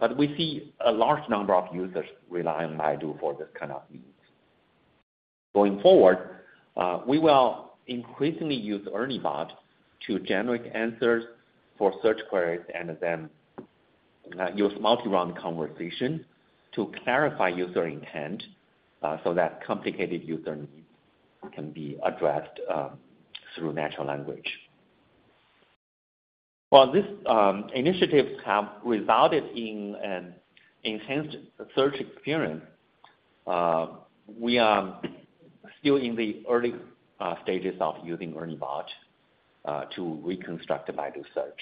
but we see a large number of users relying on Baidu for this kind of needs. Going forward, we will increasingly use ERNIE Bot to generate answers for search queries and then use multi-round conversation to clarify user intent so that complicated user needs can be addressed through natural language. While these initiatives have resulted in an enhanced search experience, we are still in the early stages of using ERNIE Bot to reconstruct Baidu Search.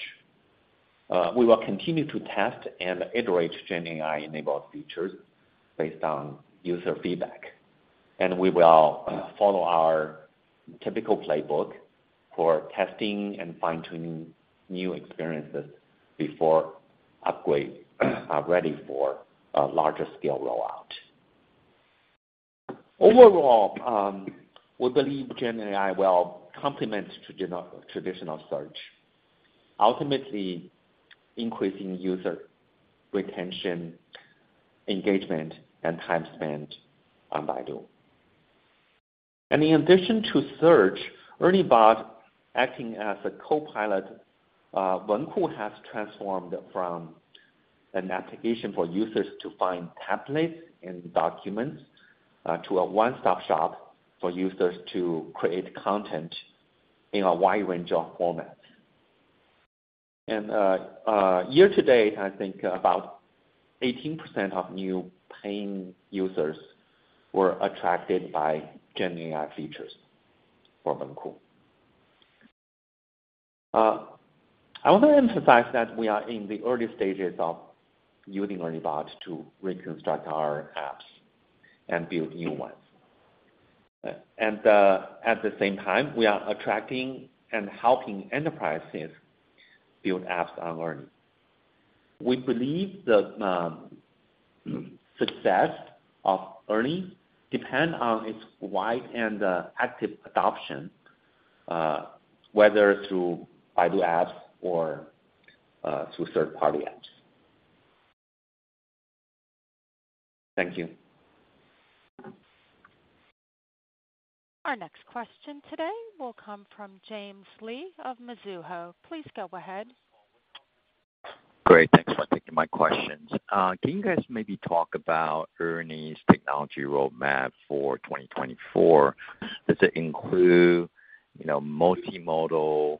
We will continue to test and iterate GenAI-enabled features based on user feedback. We will follow our typical playbook for testing and fine-tuning new experiences before upgrade ready for larger-scale rollout. Overall, we believe GenAI will complement traditional search, ultimately increasing user retention, engagement, and time spend on Baidu. In addition to search, ERNIE Bot acting as a co-pilot, Wenku has transformed from an application for users to find templates and documents to a one-stop shop for users to create content in a wide range of formats. Year to date, I think about 18% of new paying users were attracted by GenAI features for Wenku. I want to emphasize that we are in the early stages of using ERNIE Bot to reconstruct our apps and build new ones. At the same time, we are attracting and helping enterprises build apps on ERNIE. We believe the success of ERNIE depends on its wide and active adoption, whether through Baidu apps or through third-party apps. Thank you. Our next question today will come from James Lee of Mizuho. Please go ahead. Great. Thanks for taking my questions. Can you guys maybe talk about ERNIE's technology roadmap for 2024? Does it include multimodal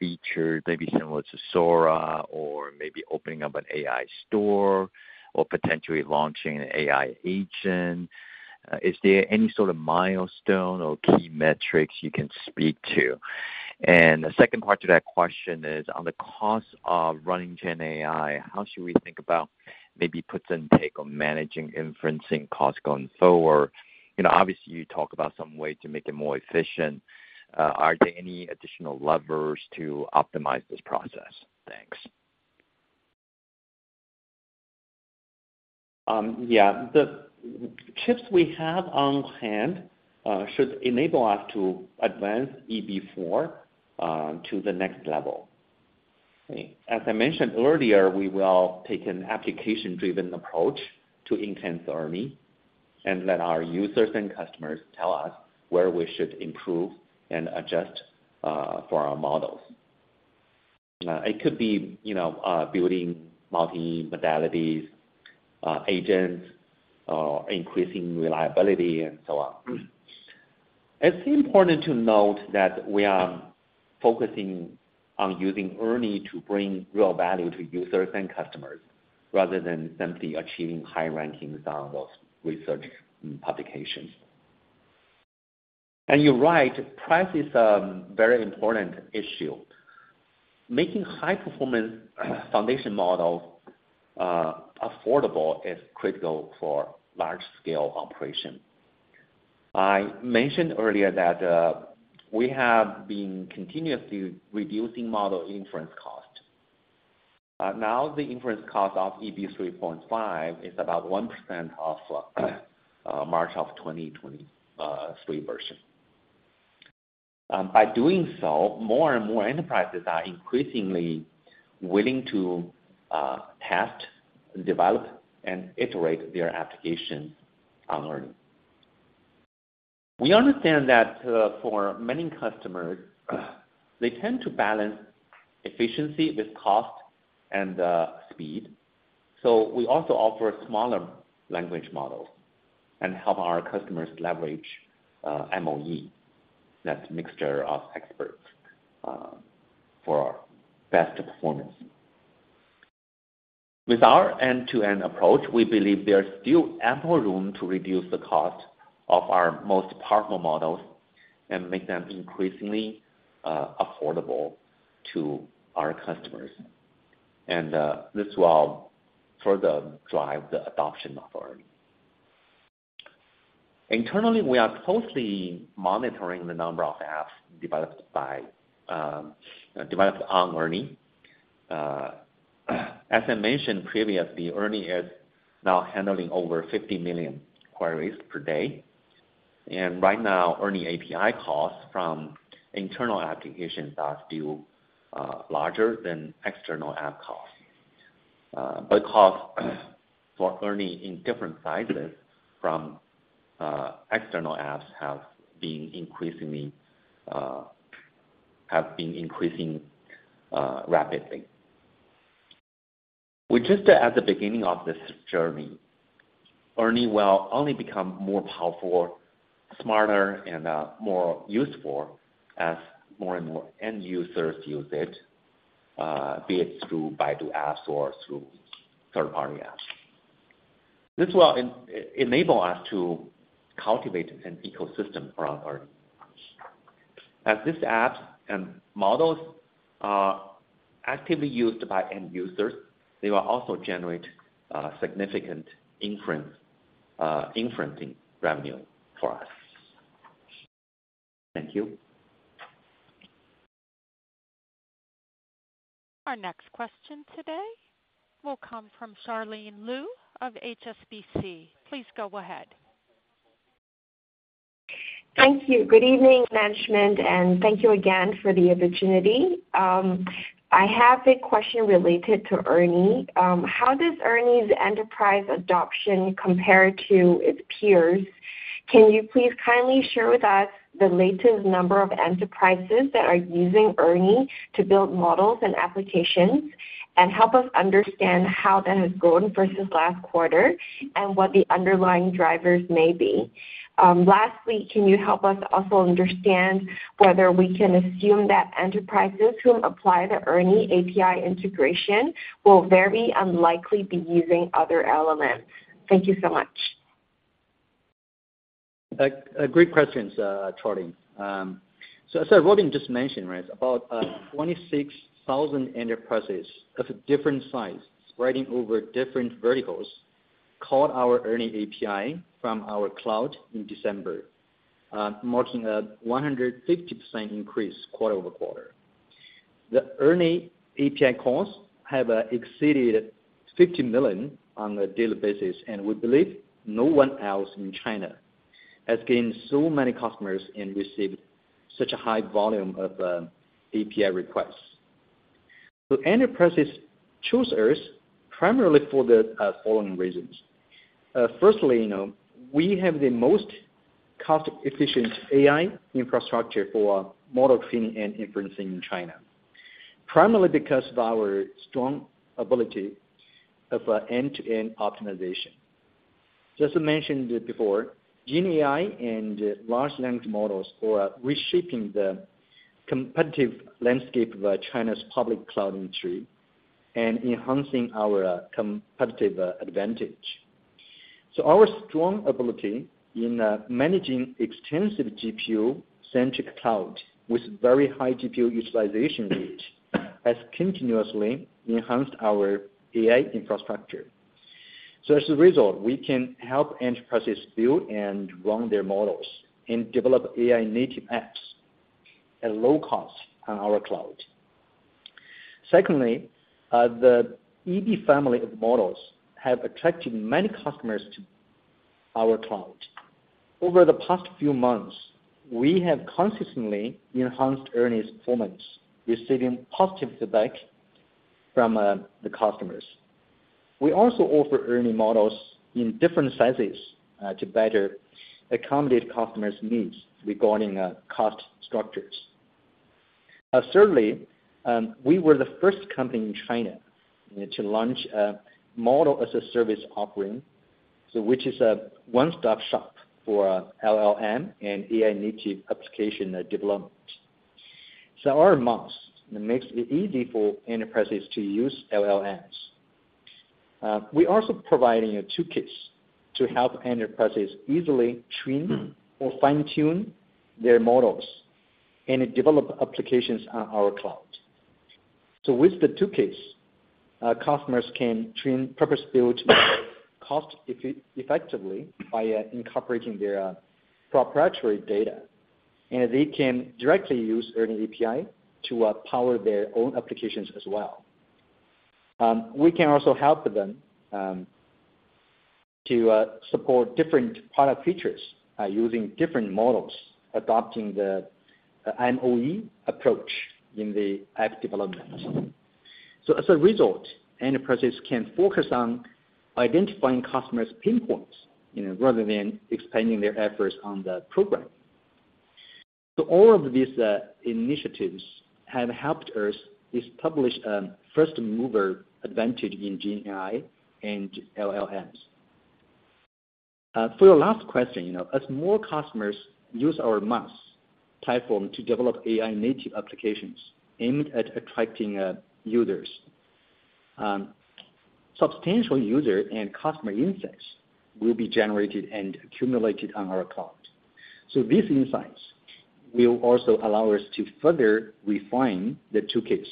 features, maybe similar to Sora, or maybe opening up an AI store or potentially launching an AI agent? Is there any sort of milestone or key metrics you can speak to? And the second part to that question is, on the cost of running GenAI, how should we think about maybe puts and takes on managing inferencing costs going forward? Obviously, you talk about some way to make it more efficient. Are there any additional levers to optimize this process? Thanks. Yeah. The chips we have on hand should enable us to advance ERNIE 4.0 to the next level. As I mentioned earlier, we will take an application-driven approach to enhance ERNIE and let our users and customers tell us where we should improve and adjust for our models. It could be building multi-modalities, agents, increasing reliability, and so on. It's important to note that we are focusing on using ERNIE to bring real value to users and customers rather than simply achieving high rankings on those research publications. And you're right. Price is a very important issue. Making high-performance foundation models affordable is critical for large-scale operation. I mentioned earlier that we have been continuously reducing model inference cost. Now, the inference cost of ERNIE 3.5 is about 1% of March of 2023 version. By doing so, more and more enterprises are increasingly willing to test, develop, and iterate their applications on ERNIE. We understand that for many customers, they tend to balance efficiency with cost and speed. So we also offer smaller language models and help our customers leverage MoE, that mixture of experts, for our best performance. With our end-to-end approach, we believe there's still ample room to reduce the cost of our most powerful models and make them increasingly affordable to our customers. And this will further drive the adoption of ERNIE. Internally, we are closely monitoring the number of apps developed on ERNIE. As I mentioned previously, ERNIE is now handling over 50 million queries per day. And right now, ERNIE API costs from internal applications are still larger than external app costs. But costs for ERNIE in different sizes from external apps have been increasing rapidly. Just at the beginning of this journey, ERNIE will only become more powerful, smarter, and more useful as more and more end users use it, be it through Baidu apps or through third-party apps. This will enable us to cultivate an ecosystem around ERNIE. As these apps and models are actively used by end users, they will also generate significant inferencing revenue for us. Thank you. Our next question today will come from Charlene Liu of HSBC. Please go ahead. Thank you. Good evening, management, and thank you again for the opportunity. I have a question related to ERNIE. How does ERNIE's enterprise adoption compare to its peers? Can you please kindly share with us the latest number of enterprises that are using ERNIE to build models and applications and help us understand how that has grown versus last quarter and what the underlying drivers may be? Lastly, can you help us also understand whether we can assume that enterprises who apply the ERNIE API integration will very unlikely be using other LLMs? Thank you so much. Great questions, Charlene. So as Robin just mentioned, about 26,000 enterprises of different sizes spreading over different verticals called our ERNIE API from our cloud in December, marking a 150% increase quarter-over-quarter. The ERNIE API calls have exceeded 50 million on a daily basis, and we believe no one else in China has gained so many customers and received such a high volume of API requests. So enterprises chose us primarily for the following reasons. Firstly, we have the most cost-efficient AI infrastructure for model training and inferencing in China, primarily because of our strong ability of end-to-end optimization. Just as mentioned before, GenAI and large language models are reshaping the competitive landscape of China's public cloud industry and enhancing our competitive advantage. So our strong ability in managing extensive GPU-centric cloud with very high GPU utilization rate has continuously enhanced our AI infrastructure. So as a result, we can help enterprises build and run their models and develop AI-native apps at low cost on our cloud. Secondly, the EB family of models have attracted many customers to our cloud. Over the past few months, we have consistently enhanced ERNIE's performance, receiving positive feedback from the customers. We also offer ERNIE models in different sizes to better accommodate customers' needs regarding cost structures. Thirdly, we were the first company in China to launch a model-as-a-service offering, which is a one-stop shop for LLM and AI-native application development. So our MaaS makes it easy for enterprises to use LLMs. We are also providing a toolkit to help enterprises easily train or fine-tune their models and develop applications on our cloud. So with the toolkit, customers can train purpose-built models cost-effectively by incorporating their proprietary data, and they can directly use ERNIE API to power their own applications as well. We can also help them to support different product features using different models, adopting the MoE approach in the app development. So as a result, enterprises can focus on identifying customers' pain points rather than expanding their efforts on the platform. So all of these initiatives have helped us establish a first-mover advantage in GenAI and LLMs. For your last question, as more customers use our MaaS platform to develop AI-native applications aimed at attracting users, substantial user and customer insights will be generated and accumulated on our cloud. So these insights will also allow us to further refine the toolkits.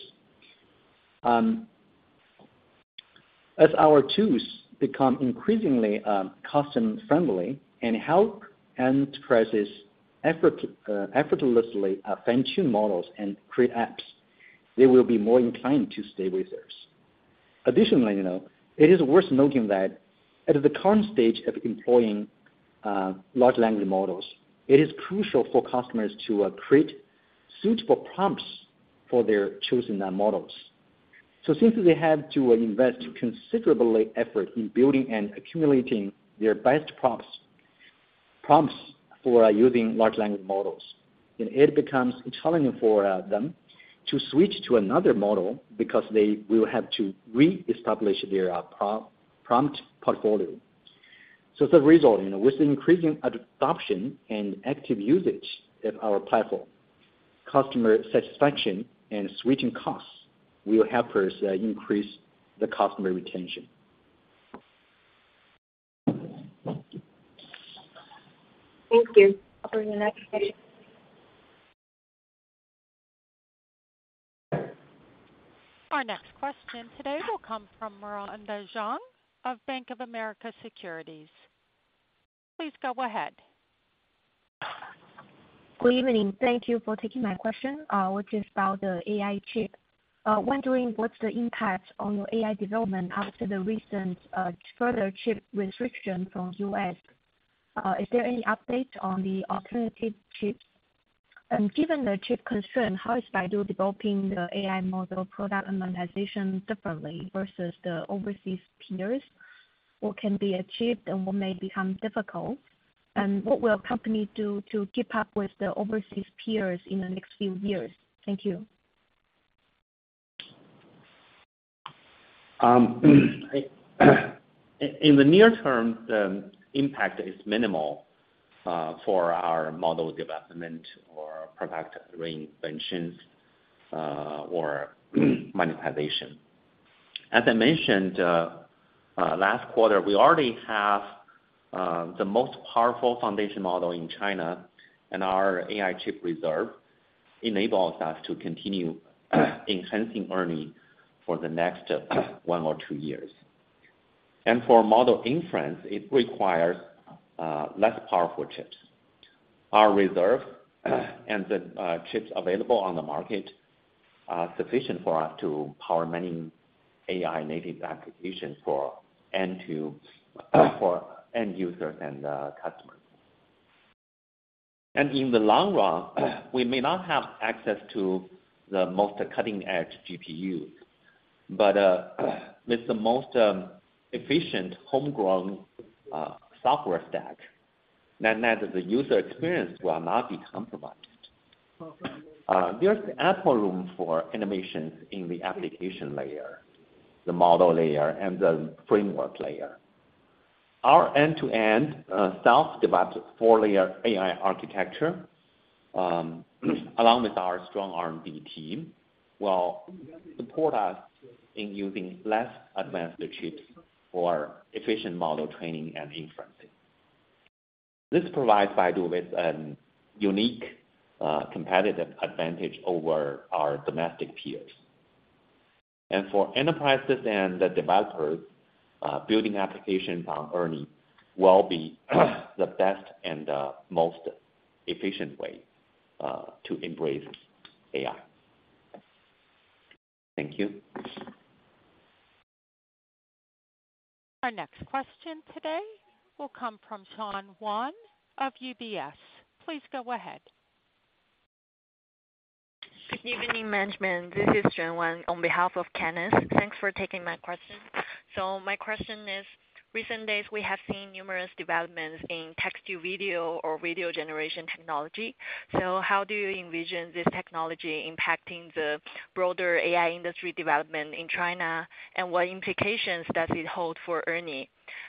As our tools become increasingly custom-friendly and help enterprises effortlessly fine-tune models and create apps, they will be more inclined to stay with us. Additionally, it is worth noting that at the current stage of employing large language models, it is crucial for customers to create suitable prompts for their chosen models. Since they have to invest considerable effort in building and accumulating their best prompts for using large language models, it becomes challenging for them to switch to another model because they will have to re-establish their prompt portfolio. As a result, with increasing adoption and active usage of our platform, customer satisfaction and switching costs will help us increase the customer retention. Thank you. Offering the next question. Our next question today will come from Miranda Zhuang of Bank of America Securities. Please go ahead. Good evening. Thank you for taking my question, which is about the AI chip. Wondering what's the impact on your AI development after the recent further chip restriction from the U.S.? Is there any update on the alternative chips? And given the chip constraint, how is Baidu developing the AI model product monetization differently versus the overseas peers? What can be achieved and what may become difficult? And what will companies do to keep up with the overseas peers in the next few years? Thank you. In the near term, the impact is minimal for our model development or product reinventions or monetization. As I mentioned, last quarter, we already have the most powerful foundation model in China, and our AI chip reserve enables us to continue enhancing ERNIE for the next one or two years. And for model inference, it requires less powerful chips. Our reserve and the chips available on the market are sufficient for us to power many AI-native applications for end users and customers. And in the long run, we may not have access to the most cutting-edge GPUs, but with the most efficient homegrown software stack, the user experience will not be compromised. There's ample room for innovations in the application layer, the model layer, and the framework layer. Our end-to-end self-developed four-layer AI architecture, along with our strong R&D team, will support us in using less advanced chips for efficient model training and inferencing. This provides Baidu with a unique competitive advantage over our domestic peers. For enterprises and the developers, building applications on ERNIE will be the best and most efficient way to embrace AI. Thank you. Our next question today will come from Sean Whang of UBS. Please go ahead. Good evening, management. This is Sean Whang on behalf of Kenneth. Thanks for taking my question. So my question is, recent days, we have seen numerous developments in text-to-video or video generation technology. So how do you envision this technology impacting the broader AI industry development in China, and what implications does it hold for ERNIE?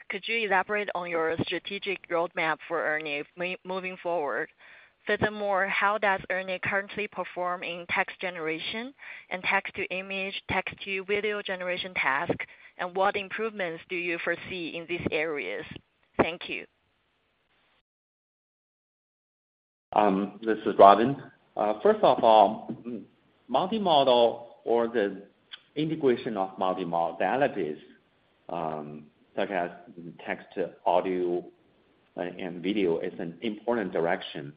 Could you elaborate on your strategic roadmap for ERNIE moving forward? Furthermore, how does ERNIE currently perform in text generation and text-to-image, text-to-video generation tasks, and what improvements do you foresee in these areas? Thank you. This is Robin. First of all, multimodal or the integration of multimodalities such as text, audio, and video is an important direction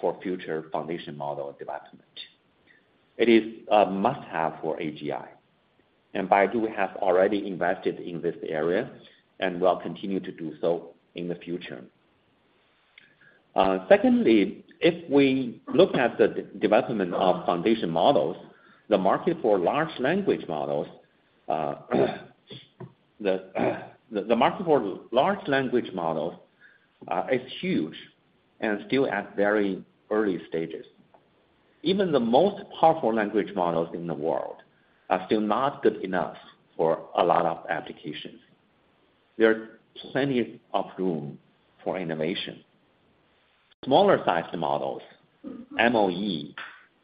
for future foundation model development. It is a must-have for AGI. Baidu has already invested in this area and will continue to do so in the future. Secondly, if we look at the development of foundation models, the market for large language models is huge and still at very early stages. Even the most powerful language models in the world are still not good enough for a lot of applications. There's plenty of room for innovation. Smaller-sized models, MoE,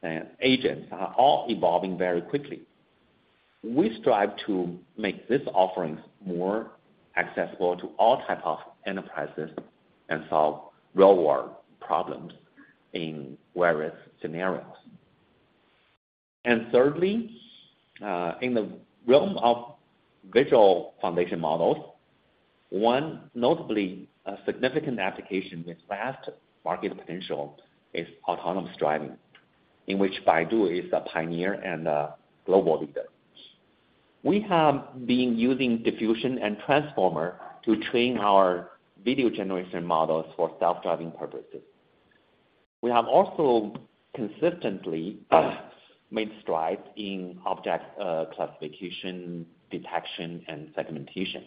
and agents are all evolving very quickly. We strive to make these offerings more accessible to all types of enterprises and solve real-world problems in various scenarios. Thirdly, in the realm of visual foundation models, one notably significant application with vast market potential is autonomous driving, in which Baidu is a pioneer and a global leader. We have been using diffusion and transformer to train our video generation models for self-driving purposes. We have also consistently made strides in object classification, detection, and segmentation,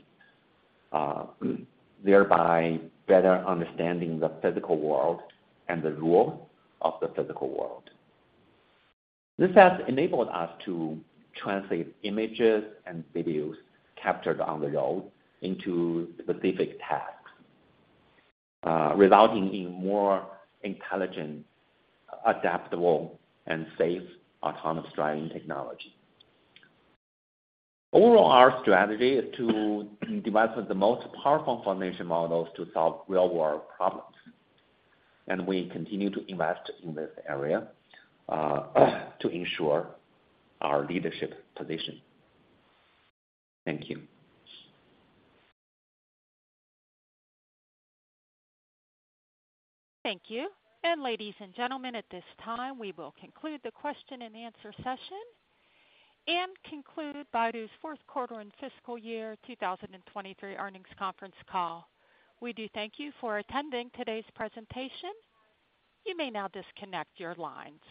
thereby better understanding the physical world and the rules of the physical world. This has enabled us to translate images and videos captured on the road into specific tasks, resulting in more intelligent, adaptable, and safe autonomous driving technology. Overall, our strategy is to develop the most powerful foundation models to solve real-world problems. We continue to invest in this area to ensure our leadership position. Thank you. Thank you. Ladies and gentlemen, at this time, we will conclude the question-and-answer session and conclude Baidu's fourth quarter and fiscal year 2023 earnings conference call. We do thank you for attending today's presentation. You may now disconnect your lines.